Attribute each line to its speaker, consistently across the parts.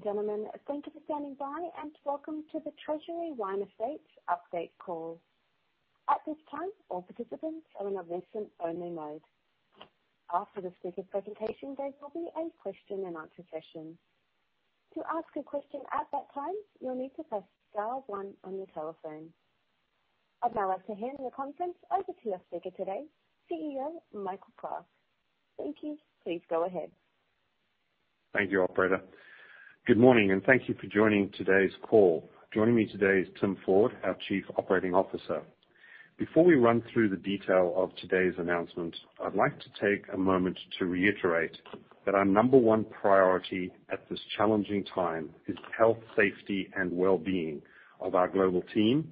Speaker 1: Ladies and gentlemen, thank you for standing by, and welcome to the Treasury Wine Estates update call. At this time, all participants are in a listen-only mode. After the speaker presentation, there will be a question-and-answer session. To ask a question at that time, you'll need to press star one on your telephone. I'd now like to hand the conference over to our speaker today, CEO Michael Clarke. Thank you. Please go ahead.
Speaker 2: Thank you, Operator. Good morning, and thank you for joining today's call. Joining me today is Tim Ford, our Chief Operating Officer. Before we run through the detail of today's announcement, I'd like to take a moment to reiterate that our number one priority at this challenging time is the health, safety, and well-being of our global team,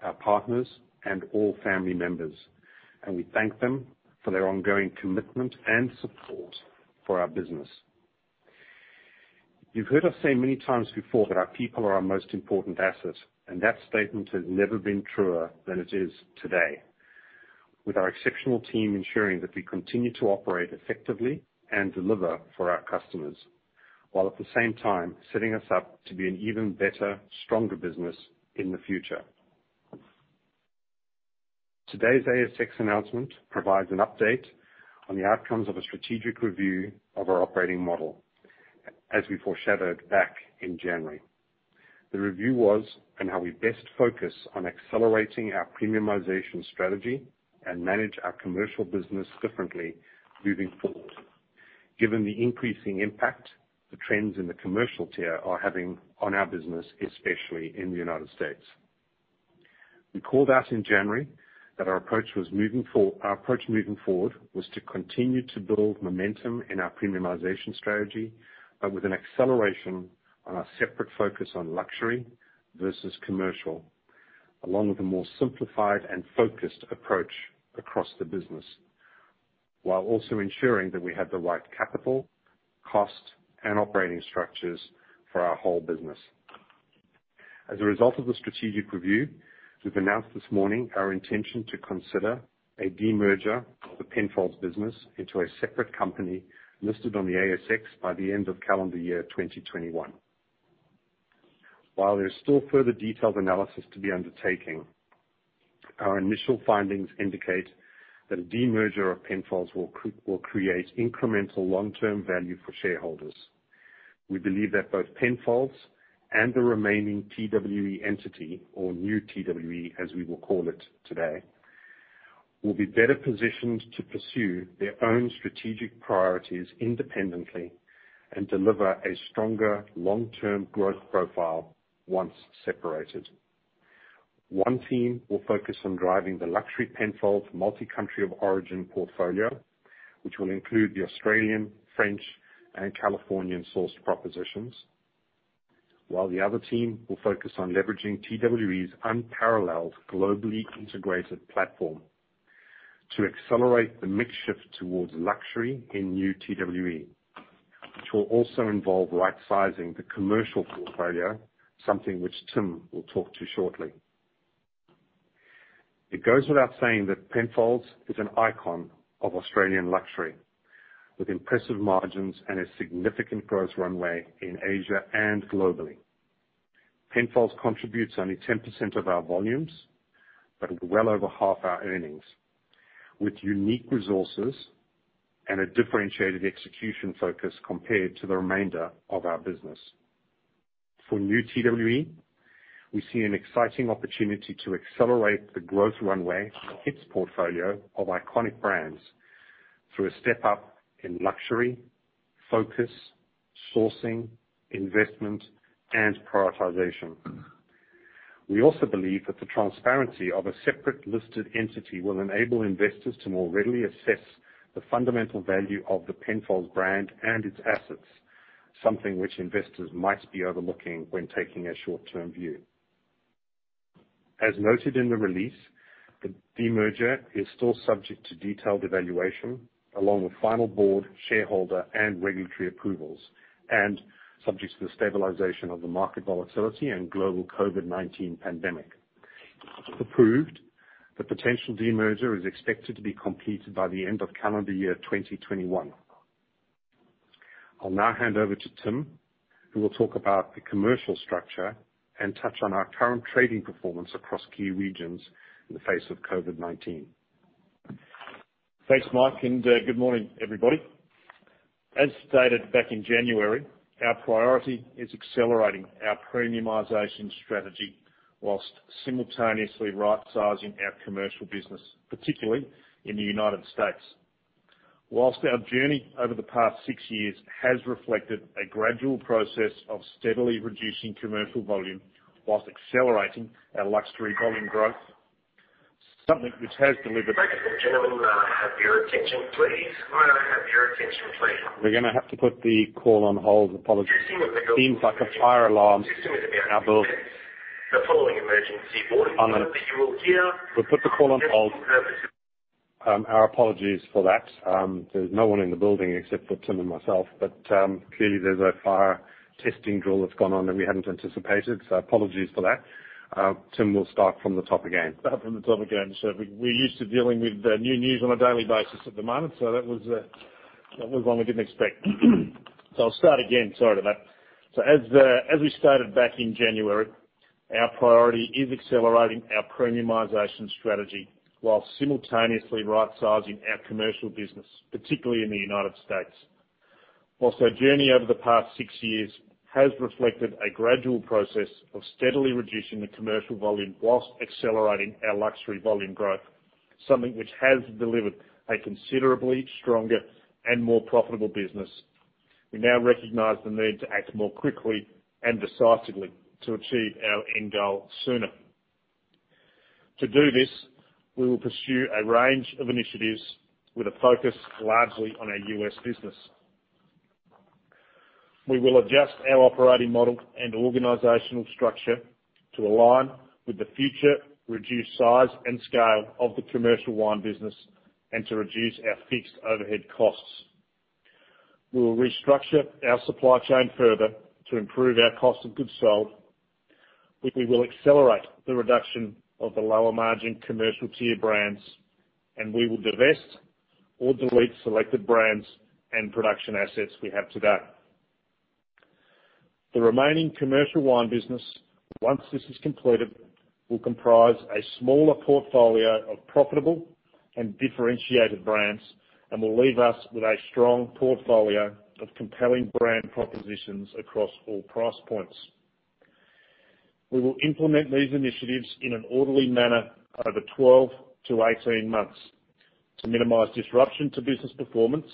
Speaker 2: our partners, and all family members, and we thank them for their ongoing commitment and support for our business. You've heard us say many times before that our people are our most important asset, and that statement has never been truer than it is today, with our exceptional team ensuring that we continue to operate effectively and deliver for our customers, while at the same time setting us up to be an even better, stronger business in the future. Today's ASX announcement provides an update on the outcomes of a strategic review of our operating model, as we foreshadowed back in January. The review was on how we best focus on accelerating our premiumization strategy and manage our commercial business differently moving forward, given the increasing impact the trends in the commercial tier are having on our business, especially in the United States. We called out in January that our approach moving forward was to continue to build momentum in our premiumization strategy, but with an acceleration on our separate focus on luxury versus commercial, along with a more simplified and focused approach across the business, while also ensuring that we have the right capital, cost, and operating structures for our whole business. As a result of the strategic review, we've announced this morning our intention to consider a demerger of the Penfolds business into a separate company listed on the ASX by the end of calendar year 2021. While there's still further detailed analysis to be undertaken, our initial findings indicate that a demerger of Penfolds will create incremental long-term value for shareholders. We believe that both Penfolds and the remaining TWE entity, or New TWE as we will call it today, will be better positioned to pursue their own strategic priorities independently and deliver a stronger long-term growth profile once separated. One team will focus on driving the luxury Penfolds multi-country of origin portfolio, which will include the Australian, French, and Californian-sourced propositions, while the other team will focus on leveraging TWE's unparalleled globally integrated platform to accelerate the mix shift towards luxury in New TWE, which will also involve right-sizing the commercial portfolio, something which Tim will talk to shortly. It goes without saying that Penfolds is an icon of Australian luxury, with impressive margins and a significant growth runway in Asia and globally. Penfolds contributes only 10% of our volumes, but well over half our earnings, with unique resources and a differentiated execution focus compared to the remainder of our business. For New TWE, we see an exciting opportunity to accelerate the growth runway for its portfolio of iconic brands through a step up in luxury, focus, sourcing, investment, and prioritization. We also believe that the transparency of a separate listed entity will enable investors to more readily assess the fundamental value of the Penfolds brand and its assets, something which investors might be overlooking when taking a short-term view. As noted in the release, the demerger is still subject to detailed evaluation, along with final board, shareholder, and regulatory approvals, and subject to the stabilization of the market volatility and global COVID-19 pandemic. Approved, the potential demerger is expected to be completed by the end of calendar year 2021. I'll now hand over to Tim, who will talk about the commercial structure and touch on our current trading performance across key regions in the face of COVID-19.
Speaker 3: Thanks, Mike, and good morning, everybody. As stated back in January, our priority is accelerating our premiumization strategy whilst simultaneously right-sizing our commercial business, particularly in the United States. Whilst our journey over the past six years has reflected a gradual process of steadily reducing commercial volume whilst accelerating our luxury volume growth, something which has delivered.
Speaker 4: Thank you, gentlemen. May I have your attention, please? May I have your attention, please?
Speaker 2: We're going to have to put the call on hold. Apologies. It seems like a fire alarm in our building.
Speaker 4: The following emergency warning that you will hear.
Speaker 2: We'll put the call on hold. Our apologies for that. There's no one in the building except for Tim and myself, but clearly there's a fire testing drill that's gone on that we hadn't anticipated, so apologies for that. Tim will start from the top again.
Speaker 3: As we stated back in January, our priority is accelerating our premiumization strategy while simultaneously right-sizing our commercial business, particularly in the United States. While our journey over the past six years has reflected a gradual process of steadily reducing the commercial volume while accelerating our luxury volume growth, something which has delivered a considerably stronger and more profitable business, we now recognize the need to act more quickly and decisively to achieve our end goal sooner. To do this, we will pursue a range of initiatives with a focus largely on our U.S. business. We will adjust our operating model and organizational structure to align with the future reduced size and scale of the commercial wine business and to reduce our fixed overhead costs. We will restructure our supply chain further to improve our cost of goods sold. We will accelerate the reduction of the lower-margin commercial tier brands, and we will divest or delete selected brands and production assets we have today. The remaining commercial wine business, once this is completed, will comprise a smaller portfolio of profitable and differentiated brands and will leave us with a strong portfolio of compelling brand propositions across all price points. We will implement these initiatives in an orderly manner over 12-18 months to minimize disruption to business performance,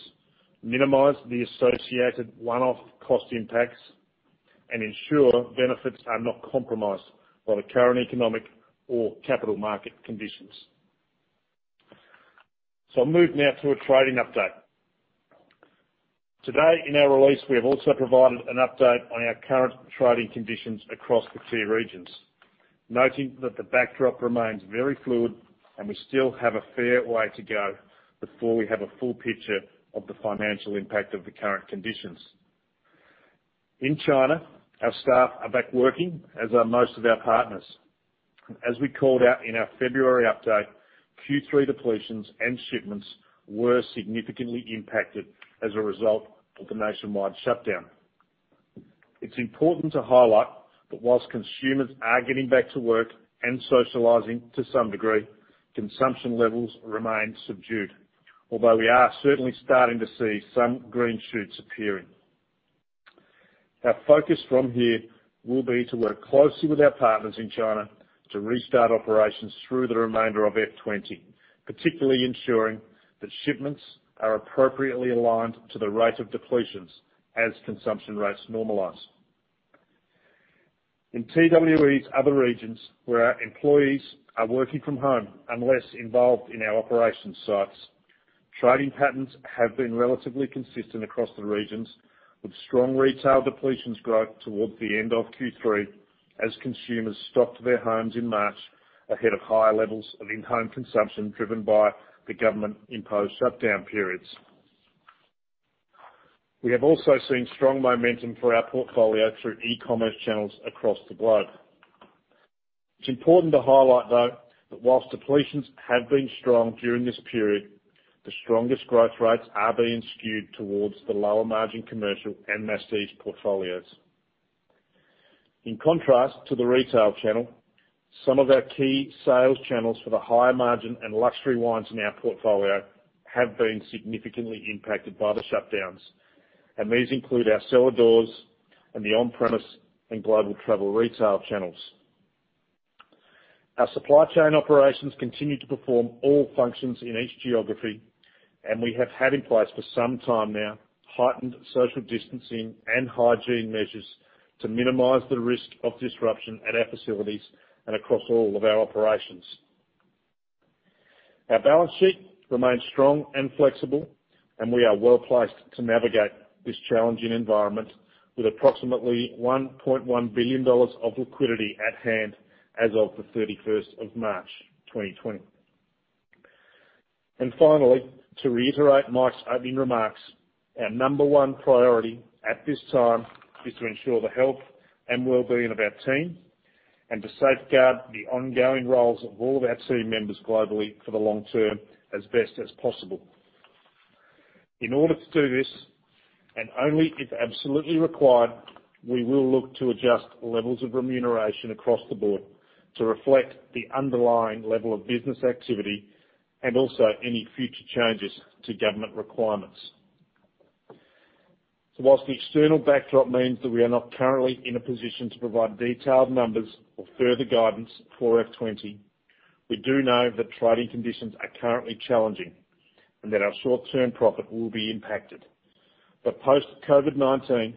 Speaker 3: minimize the associated one-off cost impacts, and ensure benefits are not compromised by the current economic or capital market conditions. So I'll move now to a trading update. Today, in our release, we have also provided an update on our current trading conditions across the key regions, noting that the backdrop remains very fluid and we still have a fair way to go before we have a full picture of the financial impact of the current conditions. In China, our staff are back working, as are most of our partners. As we called out in our February update, Q3 depletions and shipments were significantly impacted as a result of the nationwide shutdown. It's important to highlight that while consumers are getting back to work and socializing to some degree, consumption levels remain subdued, although we are certainly starting to see some green shoots appearing. Our focus from here will be to work closely with our partners in China to restart operations through the remainder of F20, particularly ensuring that shipments are appropriately aligned to the rate of depletions as consumption rates normalize. In TWE's other regions, where our employees are working from home and less involved in our operations sites, trading patterns have been relatively consistent across the regions, with strong retail depletions growth towards the end of Q3 as consumers stocked their homes in March ahead of higher levels of in-home consumption driven by the government-imposed shutdown periods. We have also seen strong momentum for our portfolio through e-commerce channels across the globe. It's important to highlight, though, that while depletions have been strong during this period, the strongest growth rates are being skewed towards the lower-margin commercial and masstige portfolios. In contrast to the retail channel, some of our key sales channels for the higher-margin and luxury wines in our portfolio have been significantly impacted by the shutdowns, and these include our cellar doors and the on-premise and global travel retail channels. Our supply chain operations continue to perform all functions in each geography, and we have had in place for some time now heightened social distancing and hygiene measures to minimize the risk of disruption at our facilities and across all of our operations. Our balance sheet remains strong and flexible, and we are well placed to navigate this challenging environment with approximately $1.1 billion of liquidity at hand as of the 31st of March, 2020. Finally, to reiterate Mike's opening remarks, our number one priority at this time is to ensure the health and well-being of our team and to safeguard the ongoing roles of all of our team members globally for the long term as best as possible. In order to do this, and only if absolutely required, we will look to adjust levels of remuneration across the board to reflect the underlying level of business activity and also any future changes to government requirements. While the external backdrop means that we are not currently in a position to provide detailed numbers or further guidance for F20, we do know that trading conditions are currently challenging and that our short-term profit will be impacted. But post-COVID-19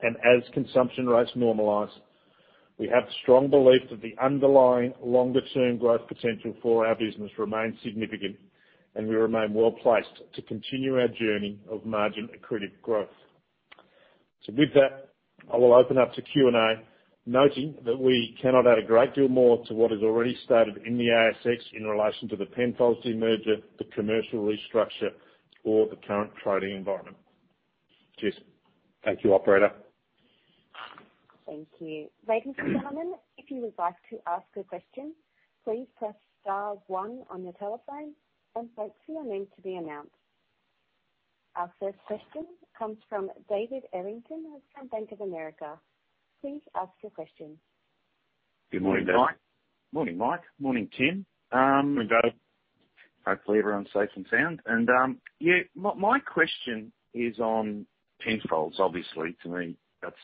Speaker 3: and as consumption rates normalize, we have strong belief that the underlying longer-term growth potential for our business remains significant, and we remain well placed to continue our journey of margin-accretive growth. So with that, I will open up to Q&A, noting that we cannot add a great deal more to what has already started in the ASX in relation to the Penfolds demerger, the commercial restructure, or the current trading environment. Cheers. Thank you, Operator.
Speaker 1: Thank you. Ladies and gentlemen, if you would like to ask a question, please press star one on your telephone, and wait for your name to be announced. Our first question comes from David Errington from Bank of America. Please ask your question.
Speaker 5: Good morning, Mike. Good morning, Mike. Morning, Tim.
Speaker 2: Morning, Dave.
Speaker 5: Hopefully, everyone's safe and sound. Yeah, my question is on Penfolds, obviously. To me, that's,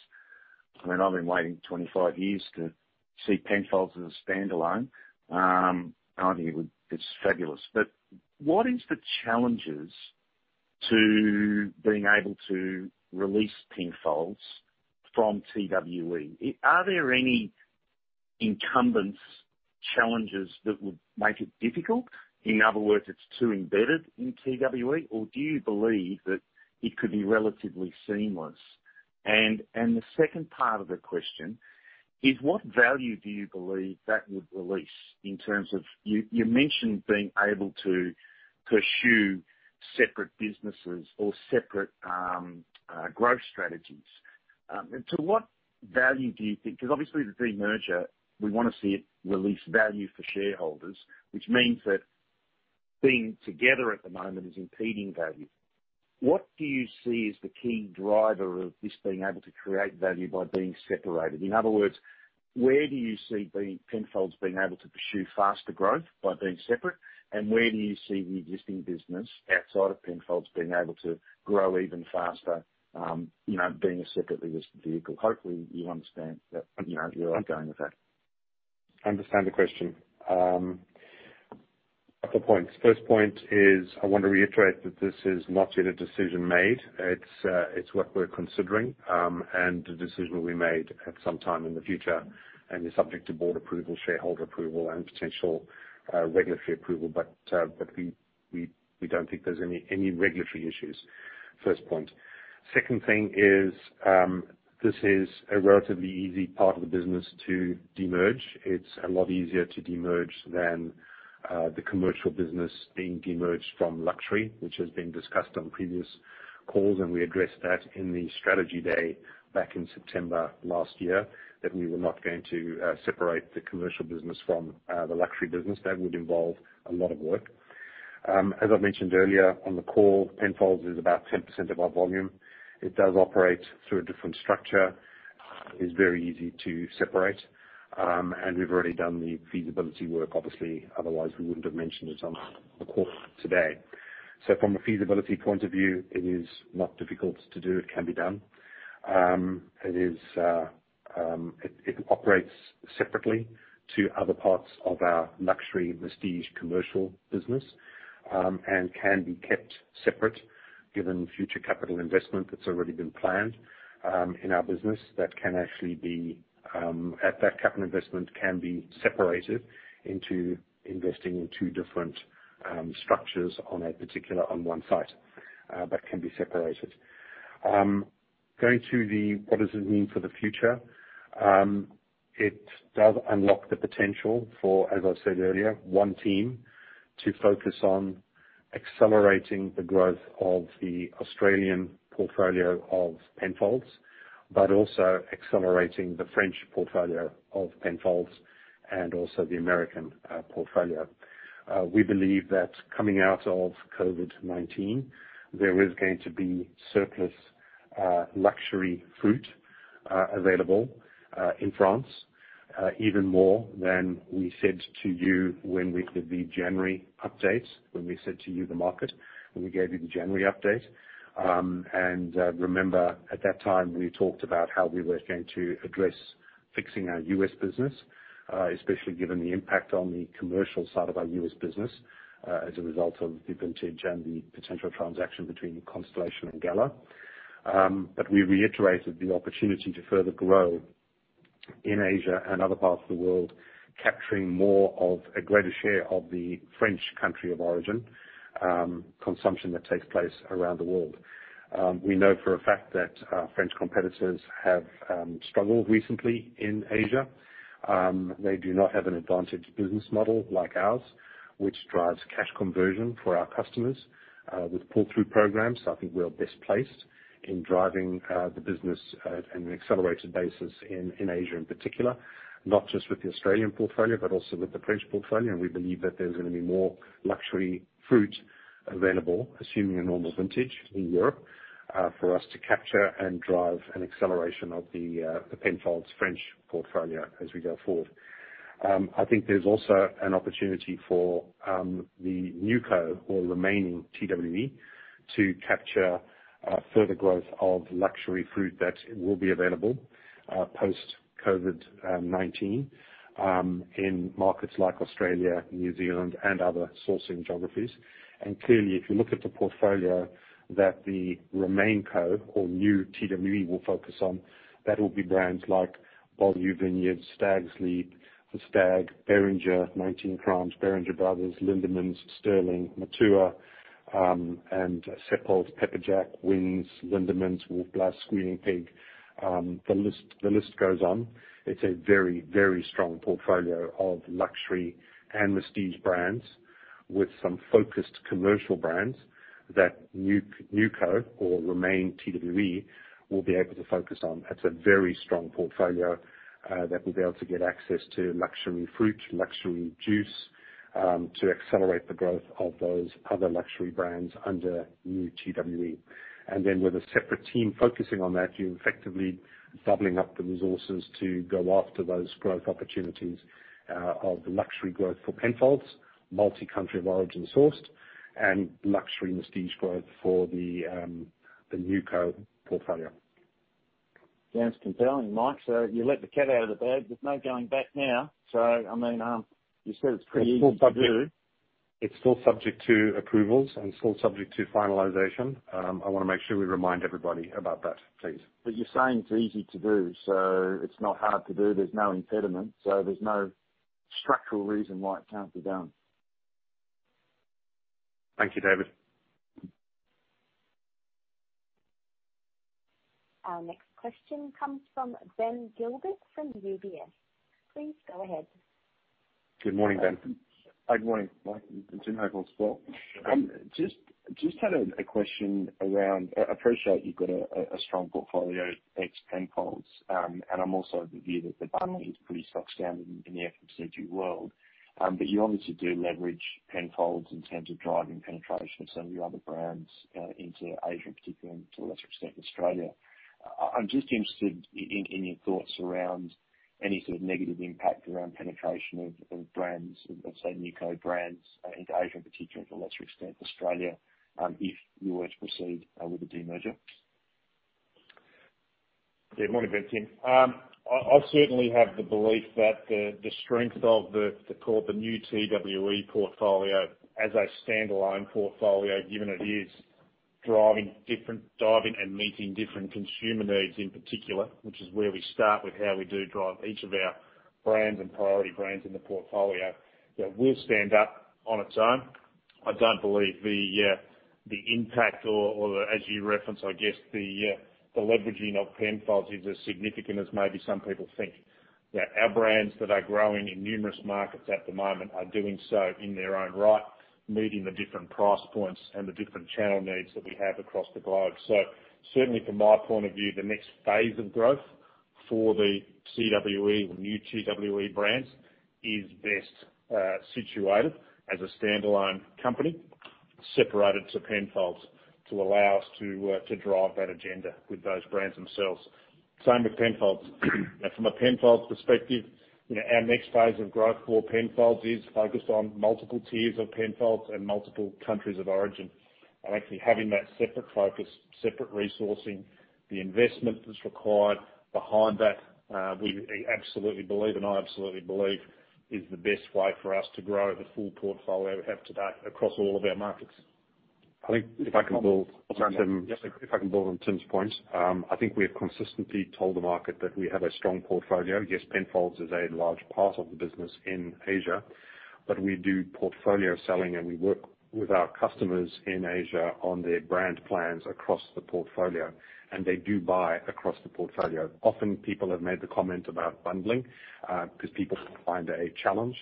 Speaker 5: I mean, I've been waiting 25 years to see Penfolds as a standalone. I think it's fabulous. But what are the challenges to being able to release Penfolds from TWE? Are there any incumbent challenges that would make it difficult? In other words, it's too embedded in TWE, or do you believe that it could be relatively seamless? And the second part of the question is, what value do you believe that would release in terms of, you mentioned being able to pursue separate businesses or separate growth strategies. To what value do you think? Because obviously, the demerger, we want to see it release value for shareholders, which means that being together at the moment is impeding value. What do you see as the key driver of this being able to create value by being separated? In other words, where do you see Penfolds being able to pursue faster growth by being separate, and where do you see the existing business outside of Penfolds being able to grow even faster being a separately listed vehicle? Hopefully, you understand that you're arguing with that.
Speaker 2: I understand the question. A couple of points. First point is, I want to reiterate that this is not yet a decision made. It's what we're considering, and the decision will be made at some time in the future and is subject to board approval, shareholder approval, and potential regulatory approval, but we don't think there's any regulatory issues. First point. Second thing is, this is a relatively easy part of the business to demerge. It's a lot easier to demerge than the commercial business being demerged from luxury, which has been discussed on previous calls, and we addressed that in the strategy day back in September last year, that we were not going to separate the commercial business from the luxury business. That would involve a lot of work. As I mentioned earlier on the call, Penfolds is about 10% of our volume. It does operate through a different structure. It's very easy to separate, and we've already done the feasibility work, obviously. Otherwise, we wouldn't have mentioned it on the call today. So from a feasibility point of view, it is not difficult to do. It can be done. It operates separately to other parts of our luxury-prestige commercial business and can be kept separate given future capital investment that's already been planned in our business. That capital investment can be separated into investing in two different structures on one site, but can be separated. Going to the what does it mean for the future? It does unlock the potential for, as I said earlier, one team to focus on accelerating the growth of the Australian portfolio of Penfolds, but also accelerating the French portfolio of Penfolds and also the American portfolio. We believe that coming out of COVID-19, there is going to be surplus luxury fruit available in France, even more than we said to you when we did the January update, when we gave you the January update. Remember, at that time, we talked about how we were going to address fixing our US business, especially given the impact on the commercial side of our US business as a result of the vintage and the potential transaction between Constellation and Gallo. We reiterated the opportunity to further grow in Asia and other parts of the world, capturing more of a greater share of the French country of origin consumption that takes place around the world. We know for a fact that French competitors have struggled recently in Asia. They do not have an advantaged business model like ours, which drives cash conversion for our customers with pull-through programs. I think we're best placed in driving the business at an accelerated basis in Asia in particular, not just with the Australian portfolio, but also with the French portfolio. And we believe that there's going to be more luxury fruit available, assuming a normal vintage in Europe, for us to capture and drive an acceleration of the Penfolds French portfolio as we go forward. I think there's also an opportunity for the NewCo, or remaining TWE, to capture further growth of luxury fruit that will be available post-COVID-19 in markets like Australia, New Zealand, and other sourcing geographies. Clearly, if you look at the portfolio that the remaining co, or New TWE, will focus on, that will be brands like Beaulieu Vineyard, Stags' Leap, The Stag, Beringer, 19 Crimes, Beringer Bros., Lindeman's, Sterling, Matua, and Seppelt, Pepperjack, Wynns, Lindeman's, Wolf Blass, Squealing Pig. The list goes on. It's a very, very strong portfolio of luxury and prestige brands with some focused commercial brands that NewCo, or remaining TWE, will be able to focus on. It's a very strong portfolio that will be able to get access to luxury fruit, luxury juice, to accelerate the growth of those other luxury brands under New TWE. And then with a separate team focusing on that, you're effectively doubling up the resources to go after those growth opportunities of luxury growth for Penfolds, multi-country of origin sourced, and luxury-prestige growth for the NewCo portfolio.
Speaker 5: Sounds compelling, Mike. So you let the cat out of the bag. There's no going back now. So I mean, you said it's pretty easy to do.
Speaker 2: It's still subject to approvals and still subject to finalization. I want to make sure we remind everybody about that, please.
Speaker 5: But you're saying it's easy to do, so it's not hard to do. There's no impediment, so there's no structural reason why it can't be done.
Speaker 2: Thank you, David.
Speaker 1: Our next question comes from Ben Gilbert from UBS. Please go ahead.
Speaker 2: Good morning, Ben.
Speaker 6: Hi, good morning, Mike. I'm joining from Singapore. Just had a question around, I appreciate you've got a strong portfolio at Penfolds, and I'm also of the view that the company is pretty strong standing in the FMCG world, but you obviously do leverage Penfolds in terms of driving penetration of some of your other brands into Asia, in particular, and to a lesser extent Australia. I'm just interested in your thoughts around any sort of negative impact around penetration of brands, of say, NewCo brands into Asia, in particular, to a lesser extent Australia, if you were to proceed with a demerger.
Speaker 3: Good morning, Tim. I certainly have the belief that the strength of the New TWE portfolio as a standalone portfolio, given it is driving different dynamics and meeting different consumer needs in particular, which is where we start with how we do drive each of our brands and priority brands in the portfolio, that will stand up on its own. I don't believe the impact or, as you reference, I guess, the leveraging of Penfolds is as significant as maybe some people think. Our brands that are growing in numerous markets at the moment are doing so in their own right, meeting the different price points and the different channel needs that we have across the globe. So certainly, from my point of view, the next phase of growth for the TWE or New TWE brands is best situated as a standalone company, separated from Penfolds, to allow us to drive that agenda with those brands themselves. Same with Penfolds. From a Penfolds perspective, our next phase of growth for Penfolds is focused on multiple tiers of Penfolds and multiple countries of origin. And actually having that separate focus, separate resourcing, the investment that's required behind that, we absolutely believe, and I absolutely believe, is the best way for us to grow the full portfolio we have today across all of our markets.
Speaker 2: I think if I can build on Tim's points, I think we have consistently told the market that we have a strong portfolio. Yes, Penfolds is a large part of the business in Asia, but we do portfolio selling, and we work with our customers in Asia on their brand plans across the portfolio, and they do buy across the portfolio. Often, people have made the comment about bundling because people find it a challenge.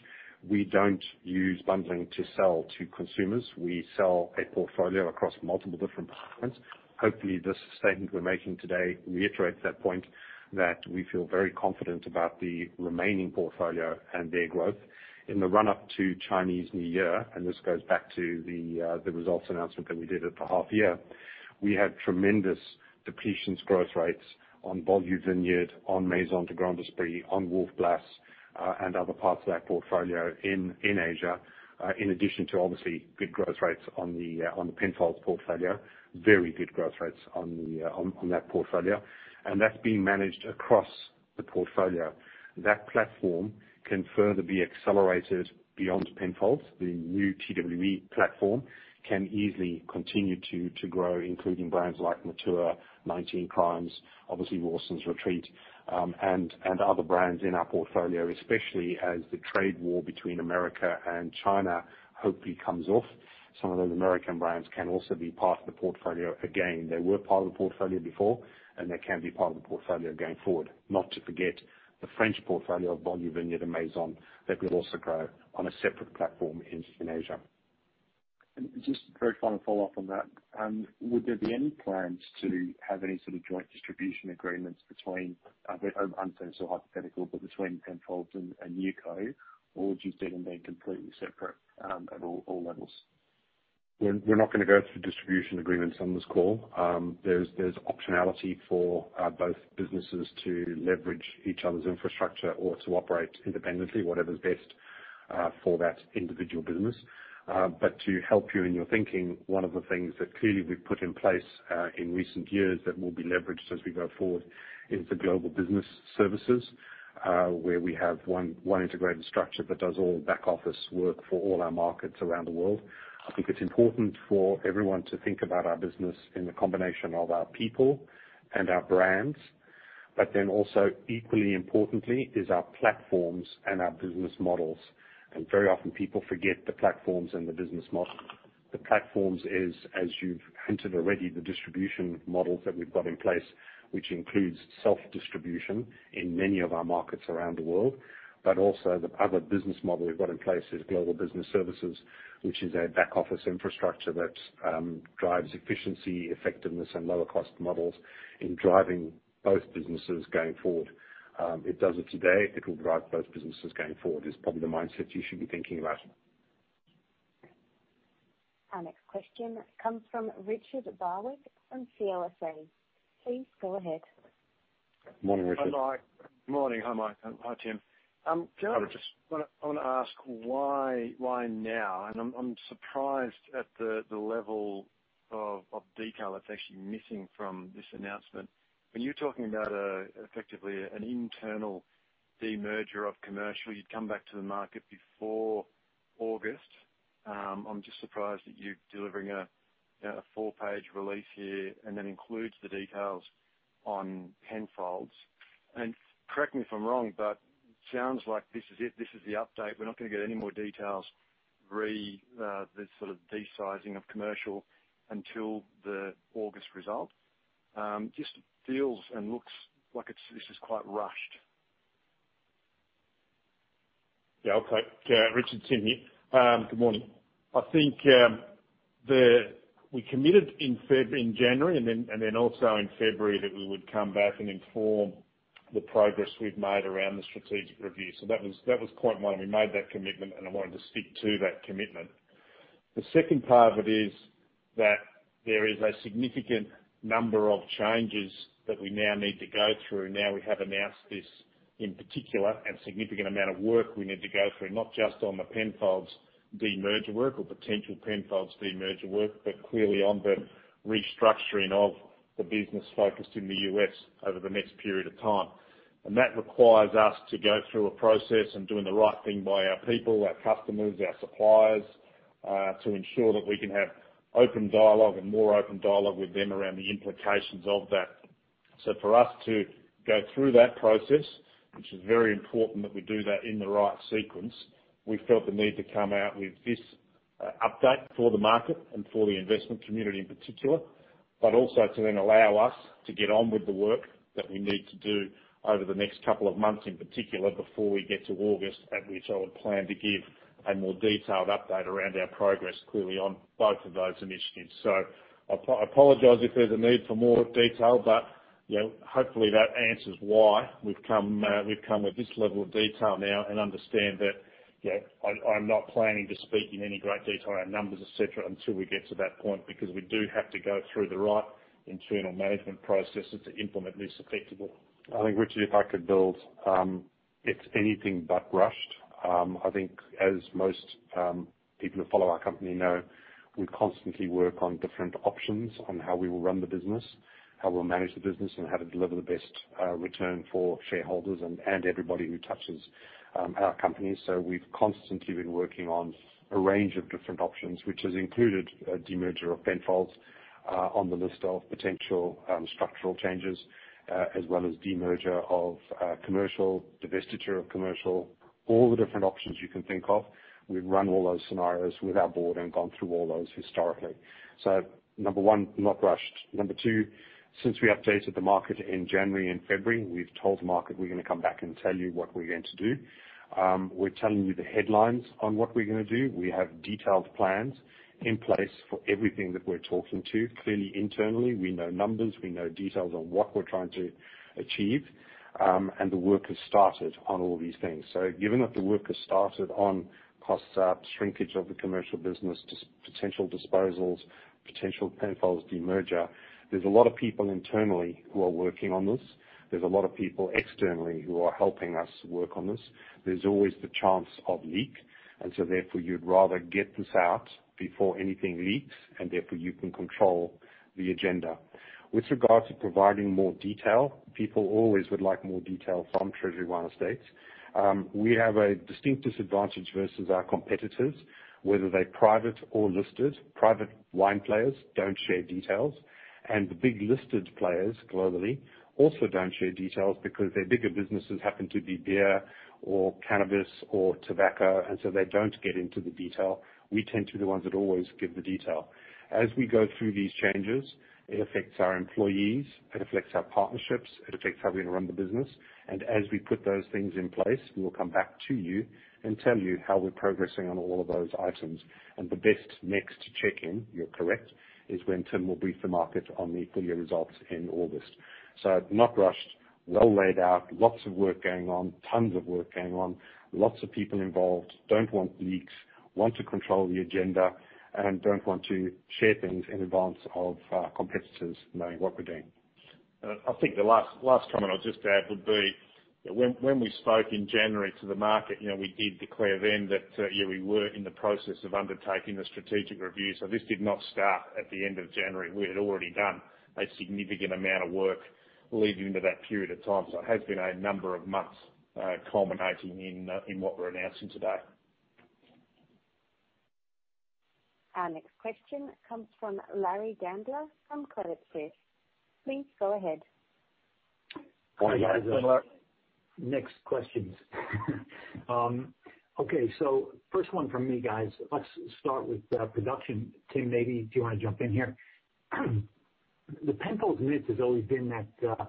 Speaker 2: We don't use bundling to sell to consumers. We sell a portfolio across multiple different parts. Hopefully, this statement we're making today reiterates that point, that we feel very confident about the remaining portfolio and their growth. In the run-up to Chinese New Year, and this goes back to the results announcement that we did at the half-year, we had tremendous depletions growth rates on Beaulieu Vineyard, on Maison de Grand Esprit, on Wolf Blass, and other parts of that portfolio in Asia, in addition to obviously good growth rates on the Penfolds portfolio, very good growth rates on that portfolio, and that's being managed across the portfolio. That platform can further be accelerated beyond Penfolds. The New TWE platform can easily continue to grow, including brands like Matua, 19 Crimes, obviously Rawson's Retreat, and other brands in our portfolio, especially as the trade war between America and China hopefully comes off. Some of those American brands can also be part of the portfolio again. They were part of the portfolio before, and they can be part of the portfolio going forward. Not to forget the French portfolio of Beaulieu Vineyard and Maison, that could also grow on a separate platform in Asia.
Speaker 6: And just very final follow-up on that. Would there be any plans to have any sort of joint distribution agreements between, I'm saying this is hypothetical, but between Penfolds and NewCo, or would you see them being completely separate at all levels?
Speaker 2: We're not going to go through distribution agreements on this call. There's optionality for both businesses to leverage each other's infrastructure or to operate independently, whatever's best for that individual business. But to help you in your thinking, one of the things that clearly we've put in place in recent years that will be leveraged as we go forward is the Global Business Services, where we have one integrated structure that does all the back-office work for all our markets around the world. I think it's important for everyone to think about our business in the combination of our people and our brands, but then also equally importantly is our platforms and our business models, and very often people forget the platforms and the business models. The platforms is, as you've hinted already, the distribution models that we've got in place, which includes self-distribution in many of our markets around the world, but also the other business model we've got in place is Global Business Services, which is a back-office infrastructure that drives efficiency, effectiveness, and lower-cost models in driving both businesses going forward. It does it today. It will drive both businesses going forward. It's probably the mindset you should be thinking about.
Speaker 1: Our next question comes from Richard Barwick from CLSA. Please go ahead.
Speaker 2: Morning, Richard.
Speaker 7: Hello. Morning. Hi, Mike. Hi, Tim.
Speaker 3: Hi, Richard.
Speaker 7: I want to ask why now? And I'm surprised at the level of detail that's actually missing from this announcement. When you're talking about effectively an internal demerger of commercial, you'd come back to the market before August. I'm just surprised that you're delivering a four-page release here and then includes the details on Penfolds. And correct me if I'm wrong, but it sounds like this is it. This is the update. We're not going to get any more details, the sort of de-sizing of commercial until the August result. Just feels and looks like this is quite rushed.
Speaker 3: Yeah. Okay. Richard, Tim here. Good morning. I think we committed in January and then also in February that we would come back and inform the progress we've made around the strategic review. So that was point one. We made that commitment, and I wanted to stick to that commitment. The second part of it is that there is a significant number of changes that we now need to go through. Now we have announced this in particular, and a significant amount of work we need to go through, not just on the Penfolds demerger work or potential Penfolds demerger work, but clearly on the restructuring of the business focused in the U.S. over the next period of time. That requires us to go through a process and doing the right thing by our people, our customers, our suppliers, to ensure that we can have open dialogue and more open dialogue with them around the implications of that. For us to go through that process, which is very important that we do that in the right sequence, we felt the need to come out with this update for the market and for the investment community in particular, but also to then allow us to get on with the work that we need to do over the next couple of months in particular before we get to August, at which I would plan to give a more detailed update around our progress clearly on both of those initiatives. So I apologize if there's a need for more detail, but hopefully that answers why we've come with this level of detail now and understand that I'm not planning to speak in any great detail around numbers, etc., until we get to that point because we do have to go through the right internal management processes to implement this effectively.
Speaker 2: I think, Richard, if I could build, it's anything but rushed. I think, as most people who follow our company know, we constantly work on different options on how we will run the business, how we'll manage the business, and how to deliver the best return for shareholders and everybody who touches our company. So we've constantly been working on a range of different options, which has included a demerger of Penfolds on the list of potential structural changes, as well as demerger of commercial, divestiture of commercial, all the different options you can think of. We've run all those scenarios with our board and gone through all those historically. So number one, not rushed. Number two, since we updated the market in January and February, we've told the market we're going to come back and tell you what we're going to do. We're telling you the headlines on what we're going to do. We have detailed plans in place for everything that we're talking to. Clearly, internally, we know numbers. We know details on what we're trying to achieve, and the work has started on all these things. Given that the work has started on cost cuts, shrinkage of the commercial business, potential disposals, potential Penfolds demerger, there's a lot of people internally who are working on this. There's a lot of people externally who are helping us work on this. There's always the chance of leak, and so therefore you'd rather get this out before anything leaks, and therefore you can control the agenda. With regard to providing more detail, people always would like more detail from Treasury Wine Estates. We have a distinct disadvantage versus our competitors, whether they're private or listed. Private wine players don't share details, and the big listed players globally also don't share details because their bigger businesses happen to be beer or cannabis or tobacco, and so they don't get into the detail. We tend to be the ones that always give the detail. As we go through these changes, it affects our employees. It affects our partnerships. It affects how we're going to run the business. And as we put those things in place, we will come back to you and tell you how we're progressing on all of those items. And the best next check-in, you're correct, is when Tim will brief the market on the full year results in August. So not rushed, well laid out, lots of work going on, tons of work going on, lots of people involved, don't want leaks, want to control the agenda, and don't want to share things in advance of competitors knowing what we're doing.
Speaker 3: I think the last comment I'll just add would be when we spoke in January to the market, we did declare then that we were in the process of undertaking the strategic review. So this did not start at the end of January. We had already done a significant amount of work leading into that period of time. So it has been a number of months culminating in what we're announcing today.
Speaker 1: Our next question comes from Larry Gandler from Credit Suisse. Please go ahead.
Speaker 8: Morning, guys. Next questions. Okay. So first one from me, guys. Let's start with production. Tim, maybe do you want to jump in here? The Penfolds myth has always been that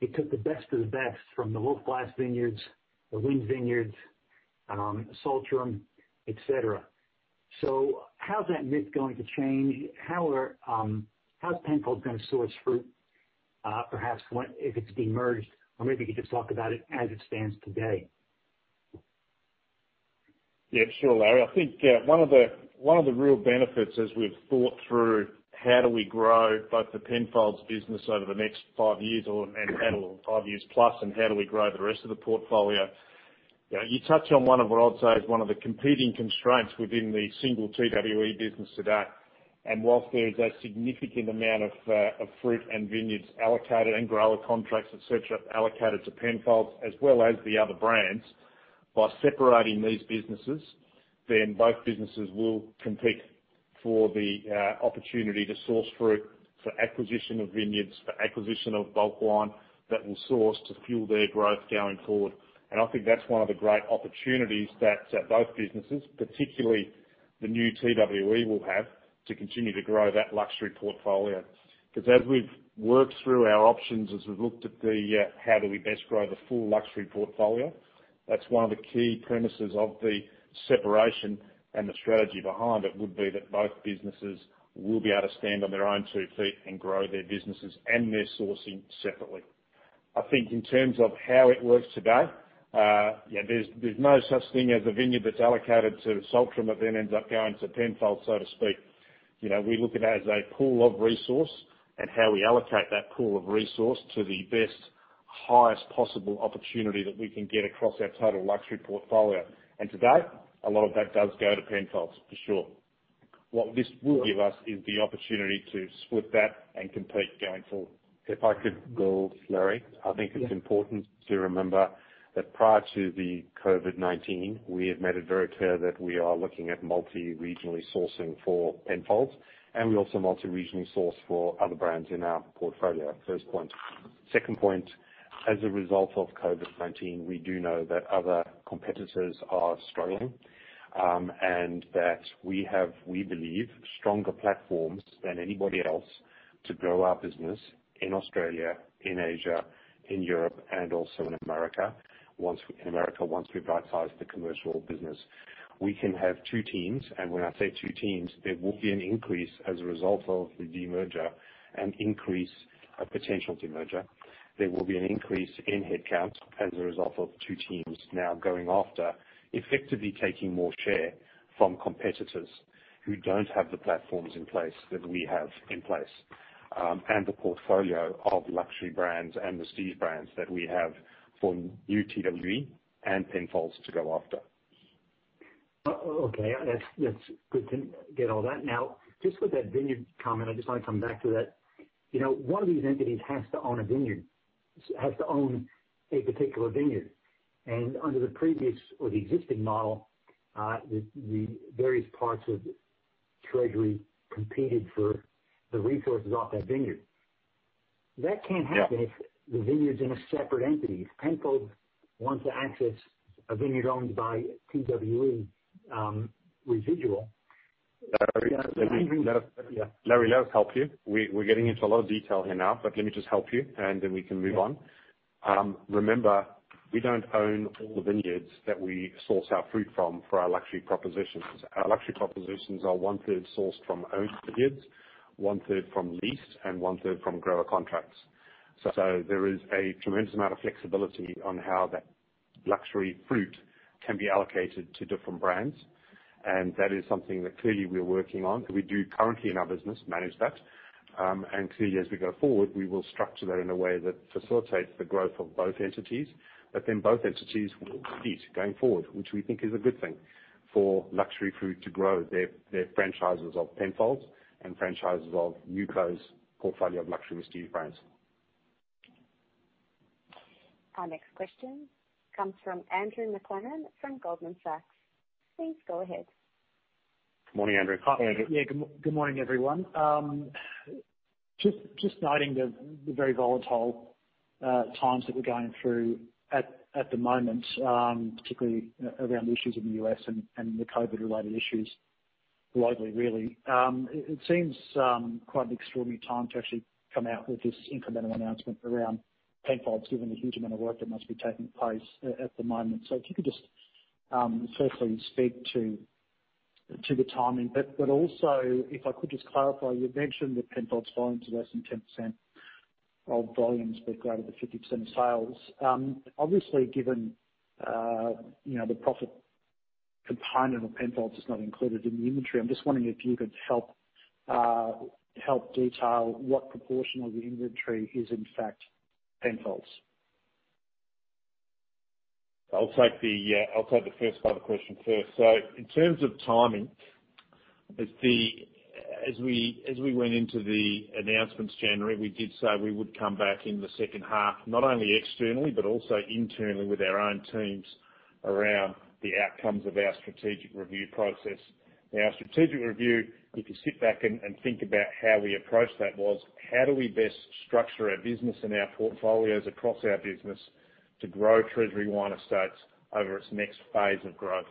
Speaker 8: it took the best of the best from the Wolf Blass Vineyards, the Wynns Vineyards, Saltram, etc. So how's that myth going to change? How's Penfolds going to source fruit, perhaps if it's demerged, or maybe you could just talk about it as it stands today?
Speaker 3: Yeah. Sure, Larry. I think one of the real benefits as we've thought through how do we grow both the Penfolds business over the next five years and five years plus, and how do we grow the rest of the portfolio? You touch on one of what I'd say is one of the competing constraints within the single TWE business today. And whilst there is a significant amount of fruit and vineyards allocated and grower contracts, etc., allocated to Penfolds as well as the other brands, by separating these businesses, then both businesses will compete for the opportunity to source fruit for acquisition of vineyards, for acquisition of bulk wine that will source to fuel their growth going forward. And I think that's one of the great opportunities that both businesses, particularly the New TWE, will have to continue to grow that luxury portfolio. Because as we've worked through our options, as we've looked at how do we best grow the full luxury portfolio, that's one of the key premises of the separation, and the strategy behind it would be that both businesses will be able to stand on their own two feet and grow their businesses and their sourcing separately. I think in terms of how it works today, there's no such thing as a vineyard that's allocated to Saltram that then ends up going to Penfolds, so to speak. We look at it as a pool of resource, and how we allocate that pool of resource to the best, highest possible opportunity that we can get across our total luxury portfolio. And today, a lot of that does go to Penfolds, for sure. What this will give us is the opportunity to split that and compete going forward.
Speaker 2: If I could build, Larry, I think it's important to remember that prior to the COVID-19, we have made it very clear that we are looking at multi-regionally sourcing for Penfolds, and we also multi-regionally source for other brands in our portfolio. First point. Second point, as a result of COVID-19, we do know that other competitors are struggling, and that we believe stronger platforms than anybody else to grow our business in Australia, in Asia, in Europe, and also in America. Once we've right-sized the commercial business, we can have two teams, and when I say two teams, there will be an increase as a result of the demerger and increase of potential demerger. There will be an increase in headcount as a result of two teams now going after effectively taking more share from competitors who don't have the platforms in place that we have in place, and the portfolio of luxury brands and the prestige brands that we have for New TWE and Penfolds to go after.
Speaker 8: Okay. That's good to get all that. Now, just with that vineyard comment, I just want to come back to that. One of these entities has to own a vineyard, has to own a particular vineyard and under the previous or the existing model, the various parts of Treasury competed for the resources off that vineyard. That can't happen if the vineyard's in a separate entity. If Penfolds wants to access a vineyard owned by TWE residual.
Speaker 3: Larry, let us help you. We're getting into a lot of detail here now, but let me just help you, and then we can move on. Remember, we don't own all the vineyards that we source our fruit from for our luxury propositions. Our luxury propositions are one-third sourced from owned vineyards, one-third from leased, and one-third from grower contracts. So there is a tremendous amount of flexibility on how that luxury fruit can be allocated to different brands, and that is something that clearly we're working on. We do currently in our business manage that, and clearly as we go forward, we will structure that in a way that facilitates the growth of both entities, but then both entities will compete going forward, which we think is a good thing for luxury fruit to grow their franchises of Penfolds and franchises of NewCo portfolio of luxury TWE brands.
Speaker 1: Our next question comes from Andrew McLennan from Goldman Sachs. Please go ahead.
Speaker 2: Morning, Andrew.
Speaker 3: Hi, Andrew.
Speaker 9: Yeah. Good morning, everyone. Just noting the very volatile times that we're going through at the moment, particularly around the issues in the U.S. and the COVID-related issues globally, really. It seems quite an extraordinary time to actually come out with this incremental announcement around Penfolds, given the huge amount of work that must be taking place at the moment. So if you could just firstly speak to the timing, but also if I could just clarify, you mentioned that Penfolds volume is less than 10% of volumes, but greater than 50% of sales. Obviously, given the profit component of Penfolds is not included in the inventory, I'm just wondering if you could help detail what proportion of the inventory is in fact Penfolds?
Speaker 3: I'll take the first part of the question first. So in terms of timing, as we went into the announcements January, we did say we would come back in the second half, not only externally, but also internally with our own teams around the outcomes of our strategic review process. Our strategic review, if you sit back and think about how we approached that, was how do we best structure our business and our portfolios across our business to grow Treasury Wine Estates over its next phase of growth.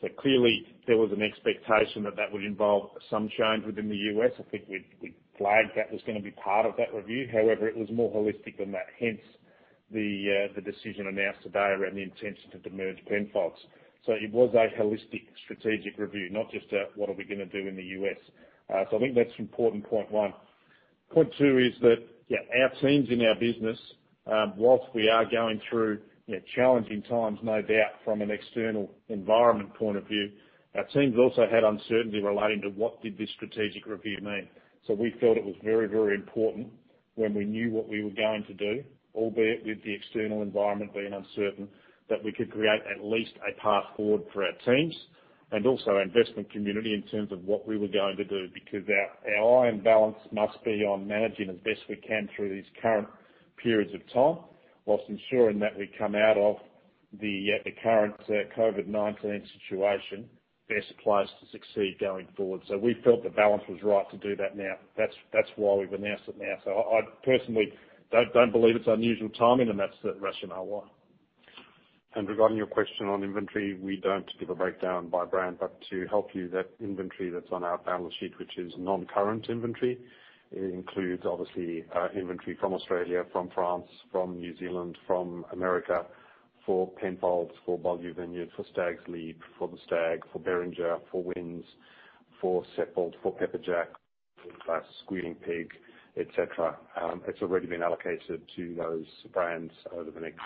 Speaker 3: So clearly, there was an expectation that that would involve some change within the U.S. I think we flagged that was going to be part of that review. However, it was more holistic than that. Hence, the decision announced today around the intention to demerge Penfolds. It was a holistic strategic review, not just a, "What are we going to do in the US?" I think that's important point one. Point two is that, yeah, our teams in our business, while we are going through challenging times, no doubt, from an external environment point of view, our teams also had uncertainty relating to what did this strategic review mean. So we felt it was very, very important when we knew what we were going to do, albeit with the external environment being uncertain, that we could create at least a path forward for our teams and also our investment community in terms of what we were going to do because our eye and balance must be on managing as best we can through these current periods of time, while ensuring that we come out of the current COVID-19 situation best place to succeed going forward. So we felt the balance was right to do that now. That's why we've announced it now. So I personally don't believe it's unusual timing, and that's the rationale why.
Speaker 2: Regarding your question on inventory, we don't give a breakdown by brand, but to help you, that inventory that's on our balance sheet, which is non-current inventory, it includes obviously inventory from Australia, from France, from New Zealand, from America for Penfolds, for Beaulieu Vineyard, for Stags' Leap, for the Stag, for Beringer, for Wynns, for Seppelt, for Pepperjack, for Squealing Pig, etc. It's already been allocated to those brands over the next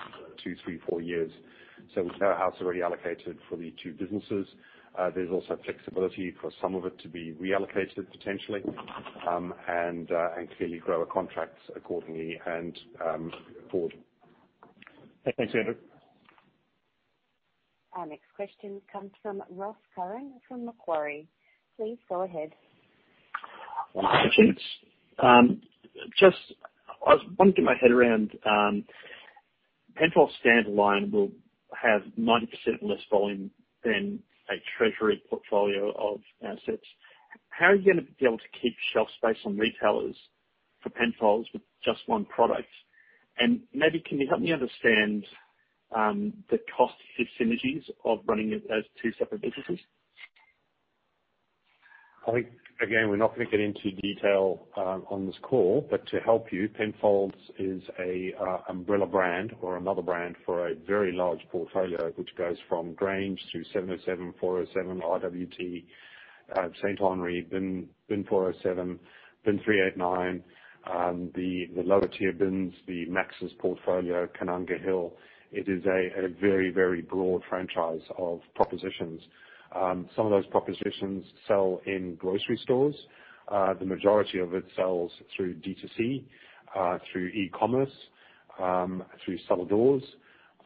Speaker 2: two, three, four years. So we know how it's already allocated for the two businesses. There's also flexibility for some of it to be reallocated potentially and clearly grower contracts accordingly and forward.
Speaker 3: Thanks, Andrew.
Speaker 1: Our next question comes from Ross Curran from Macquarie. Please go ahead.
Speaker 10: One question. Just wanting to get my head around, Penfolds standalone will have 90% less volume than a Treasury portfolio of assets. How are you going to be able to keep shelf space on retailers for Penfolds with just one product? And maybe can you help me understand the cost synergies of running it as two separate businesses?
Speaker 2: I think, again, we're not going to get into detail on this call, but to help you, Penfolds is an umbrella brand or another brand for a very large portfolio, which goes from Grange to 707, 407, RWT, St Henri, Bin 407, Bin 389, the lower tier BINs, the Max's portfolio, Koonunga Hill. It is a very, very broad franchise of propositions. Some of those propositions sell in grocery stores. The majority of it sells through D2C, through e-commerce, through cellar doors,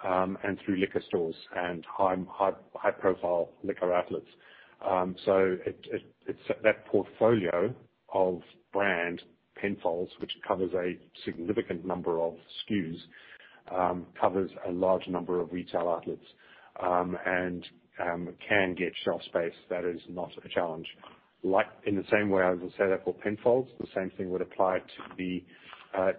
Speaker 2: and through liquor stores and high-profile liquor outlets. So that portfolio of brand, Penfolds, which covers a significant number of SKUs, covers a large number of retail outlets and can get shelf space that is not a challenge. In the same way I was going to say that for Penfolds, the same thing would apply to the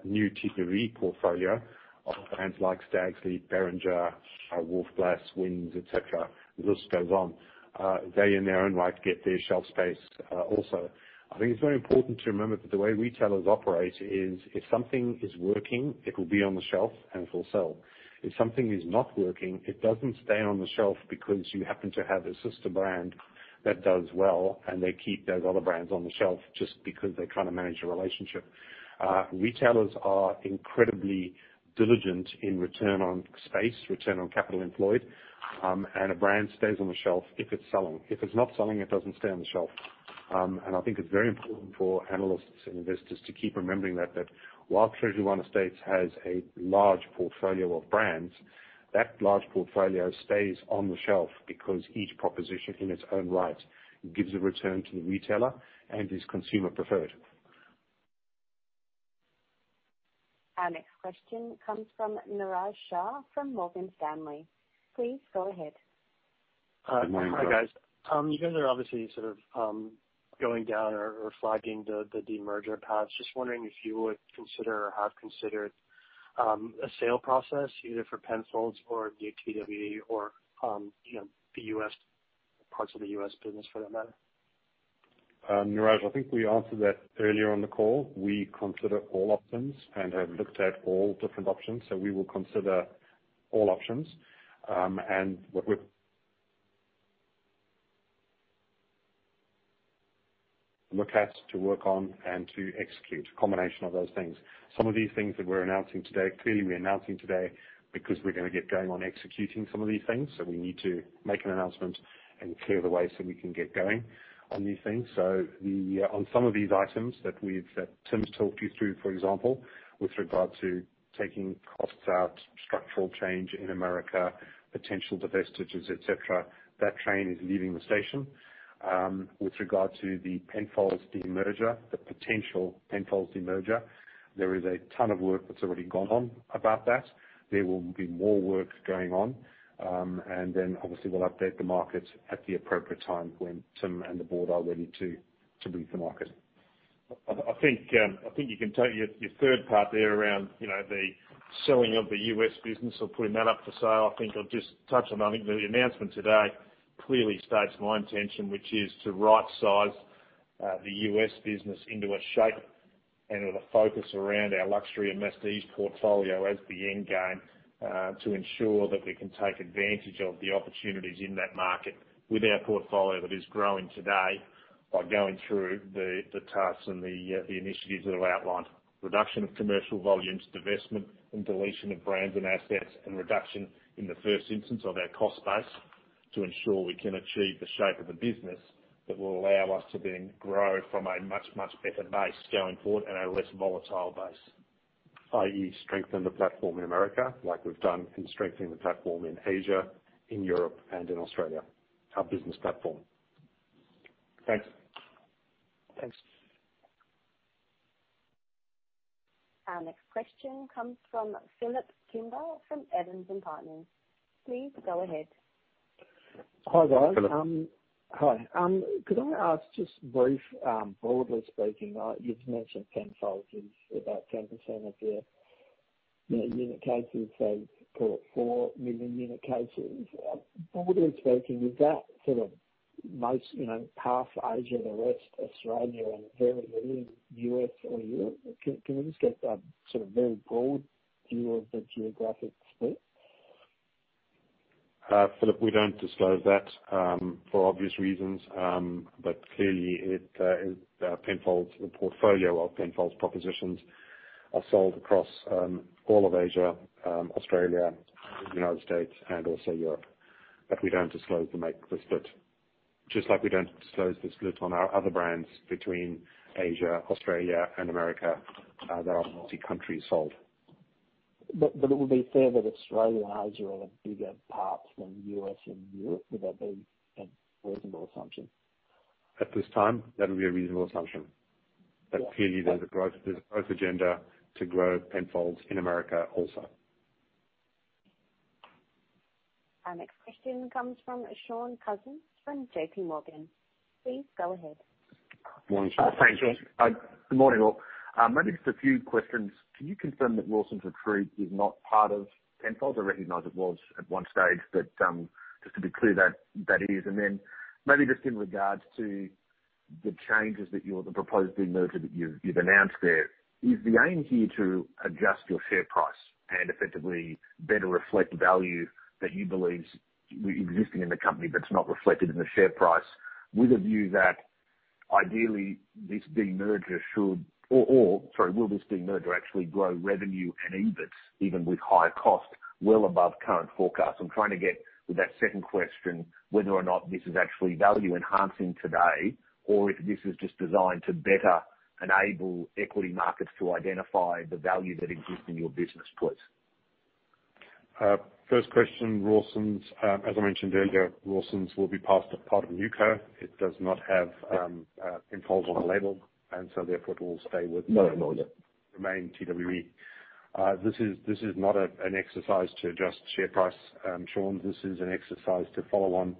Speaker 2: New TWE portfolio of brands like Stags' Leap, Beringer, Wolf Blass, Wynns, etc. The list goes on. They in their own right get their shelf space also. I think it's very important to remember that the way retailers operate is if something is working, it will be on the shelf and it will sell. If something is not working, it doesn't stay on the shelf because you happen to have a sister brand that does well, and they keep those other brands on the shelf just because they kind of manage a relationship. Retailers are incredibly diligent in return on space, return on capital employed, and a brand stays on the shelf if it's selling. If it's not selling, it doesn't stay on the shelf. I think it's very important for analysts and investors to keep remembering that while Treasury Wine Estates has a large portfolio of brands, that large portfolio stays on the shelf because each proposition in its own right gives a return to the retailer and is consumer preferred.
Speaker 1: Our next question comes from Niraj Shah from Morgan Stanley. Please go ahead.
Speaker 11: Good morning, guys. You guys are obviously sort of going down or flagging the demerger paths. Just wondering if you would consider or have considered a sale process either for Penfolds or New TWE or the U.S. parts of the U.S. business for that matter?
Speaker 2: Niraj, I think we answered that earlier on the call. We consider all options and have looked at all different options, so we will consider all options and look at, to work on, and to execute, a combination of those things. Some of these things that we're announcing today, clearly we're announcing today because we're going to get going on executing some of these things, so we need to make an announcement and clear the way so we can get going on these things. So on some of these items that Tim's talked you through, for example, with regard to taking costs out, structural change in America, potential divestitures, etc., that train is leaving the station. With regard to the Penfolds demerger, the potential Penfolds demerger, there is a ton of work that's already gone on about that. There will be more work going on, and then obviously we'll update the market at the appropriate time when Tim and the board are ready to brief the market.
Speaker 3: I think you can take your third part there around the selling of the U.S. business or putting that up for sale. I think I'll just touch on that. I think the announcement today clearly states my intention, which is to right-size the U.S. business into a shape and with a focus around our luxury and masstige portfolio as the end game to ensure that we can take advantage of the opportunities in that market with our portfolio that is growing today by going through the tasks and the initiatives that are outlined: reduction of commercial volumes, divestment and deletion of brands and assets, and reduction in the first instance of our cost base to ensure we can achieve the shape of the business that will allow us to then grow from a much, much better base going forward and a less volatile base. i.e., strengthen the platform in America like we've done in strengthening the platform in Asia, in Europe, and in Australia, our business platform.
Speaker 11: Thanks.
Speaker 3: Thanks.
Speaker 1: Our next question comes from Philip Kimber from Evans & Partners. Please go ahead.
Speaker 12: Hi, guys.
Speaker 3: Hi.
Speaker 12: Hi. Could I ask just briefly, broadly speaking, you've mentioned Penfolds is about 10% of their unit cases, they've got four million unit cases. Broadly speaking, is that sort of almost half Asia, the rest, Australia, and very little US or Europe? Can we just get a sort of very broad view of the geographic split?
Speaker 2: Philip, we don't disclose that for obvious reasons, but clearly Penfolds, the portfolio of Penfolds propositions are sold across all of Asia, Australia, the United States, and also Europe. But we don't disclose the split. Just like we don't disclose the split on our other brands between Asia, Australia, and America, there are multi-country sold.
Speaker 12: But it would be fair that Australia and Asia are the bigger parts than US and Europe. Would that be a reasonable assumption?
Speaker 2: At this time, that would be a reasonable assumption. But clearly there's a growth agenda to grow Penfolds in America also.
Speaker 1: Our next question comes from Shaun Cousins from J.P. Morgan. Please go ahead.
Speaker 2: Good morning, Shaun.
Speaker 13: Good morning, all. Maybe just a few questions. Can you confirm that Rawson's Retreat is not part of Penfolds? I recognize it was at one stage, but just to be clear, that is. And then maybe just in regards to the changes, the proposed demerger that you've announced there, is the aim here to adjust your share price and effectively better reflect value that you believe is existing in the company but it's not reflected in the share price with a view that ideally this demerger should, or sorry, will this demerger actually grow revenue and EBIT even with higher cost well above current forecasts? I'm trying to get with that second question whether or not this is actually value enhancing today or if this is just designed to better enable equity markets to identify the value that exists in your business, please.
Speaker 2: First question, Rawson's, as I mentioned earlier, Rawson's will be part of NewCo. It does not have Penfolds on the label, and so therefore it will stay with.
Speaker 3: No, not yet.
Speaker 2: Remaining TWE. This is not an exercise to adjust share price, Shaun. This is an exercise to follow on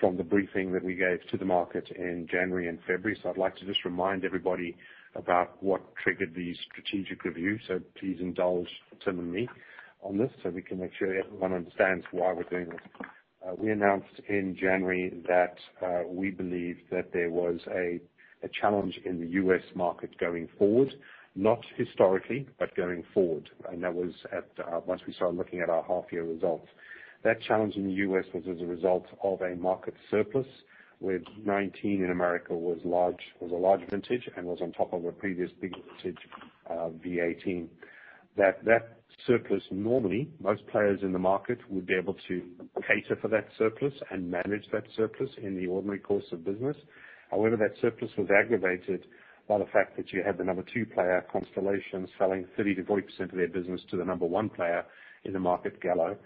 Speaker 2: from the briefing that we gave to the market in January and February, so I'd like to just remind everybody about what triggered the strategic review, so please indulge Tim and me on this so we can make sure everyone understands why we're doing this. We announced in January that we believe that there was a challenge in the U.S. market going forward, not historically, but going forward, and that was once we started looking at our half-year results. That challenge in the U.S. was as a result of a market surplus where 2019 in America was a large vintage and was on top of a previous big vintage 2018. That surplus normally, most players in the market would be able to cater for that surplus and manage that surplus in the ordinary course of business. However, that surplus was aggravated by the fact that you had the number two player Constellation selling 30%-40% of their business to the number one player in the market, Gallo.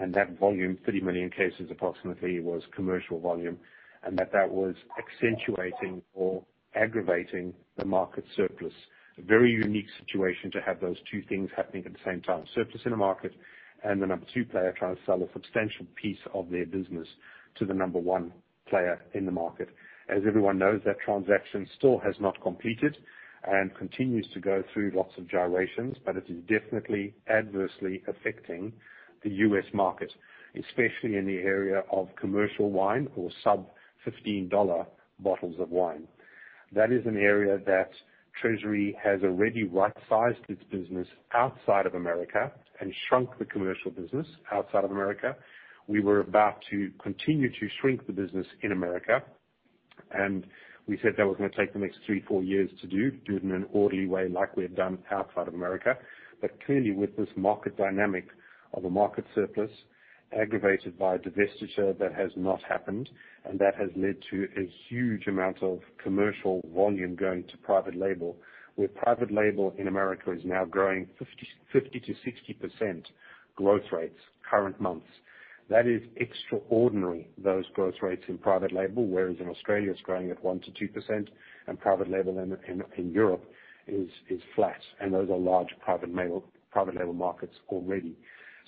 Speaker 2: And that volume, approximately 30 million cases, was commercial volume, and that was accentuating or aggravating the market surplus. A very unique situation to have those two things happening at the same time. Surplus in the market and the number two player trying to sell a substantial piece of their business to the number one player in the market. As everyone knows, that transaction still has not completed and continues to go through lots of gyrations, but it is definitely adversely affecting the U.S. market, especially in the area of commercial wine or sub-$15 bottles of wine. That is an area that Treasury has already right-sized its business outside of America and shrunk the commercial business outside of America. We were about to continue to shrink the business in America, and we said that was going to take the next three, four years to do, do it in an orderly way like we had done outside of America. But clearly, with this market dynamic of a market surplus aggravated by divestiture that has not happened, and that has led to a huge amount of commercial volume going to private label, where private label in America is now growing 50%-60% growth rates current months. That is extraordinary, those growth rates in private label, whereas in Australia it's growing at 1%-2%, and private label in Europe is flat, and those are large private label markets already,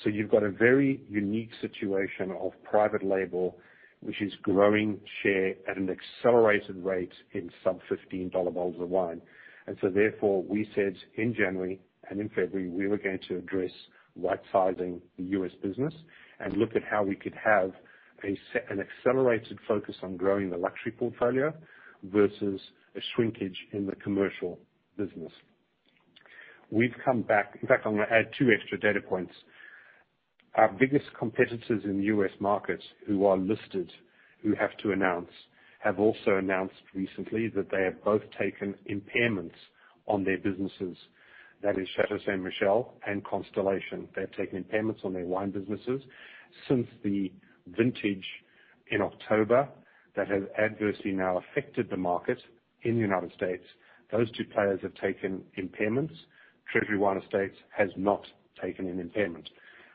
Speaker 2: so you've got a very unique situation of private label, which is growing share at an accelerated rate in sub-$15 bottles of wine, and so therefore, we said in January and in February, we were going to address right-sizing the U.S. business and look at how we could have an accelerated focus on growing the luxury portfolio versus a shrinkage in the commercial business. We've come back. In fact, I'm going to add two extra data points. Our biggest competitors in the U.S. market who are listed, who have to announce, have also announced recently that they have both taken impairments on their businesses. That is Chateau Ste. Michelle and Constellation Brands. They've taken impairments on their wine businesses since the vintage in October that has adversely now affected the market in the United States. Those two players have taken impairments. Treasury Wine Estates has not taken an impairment.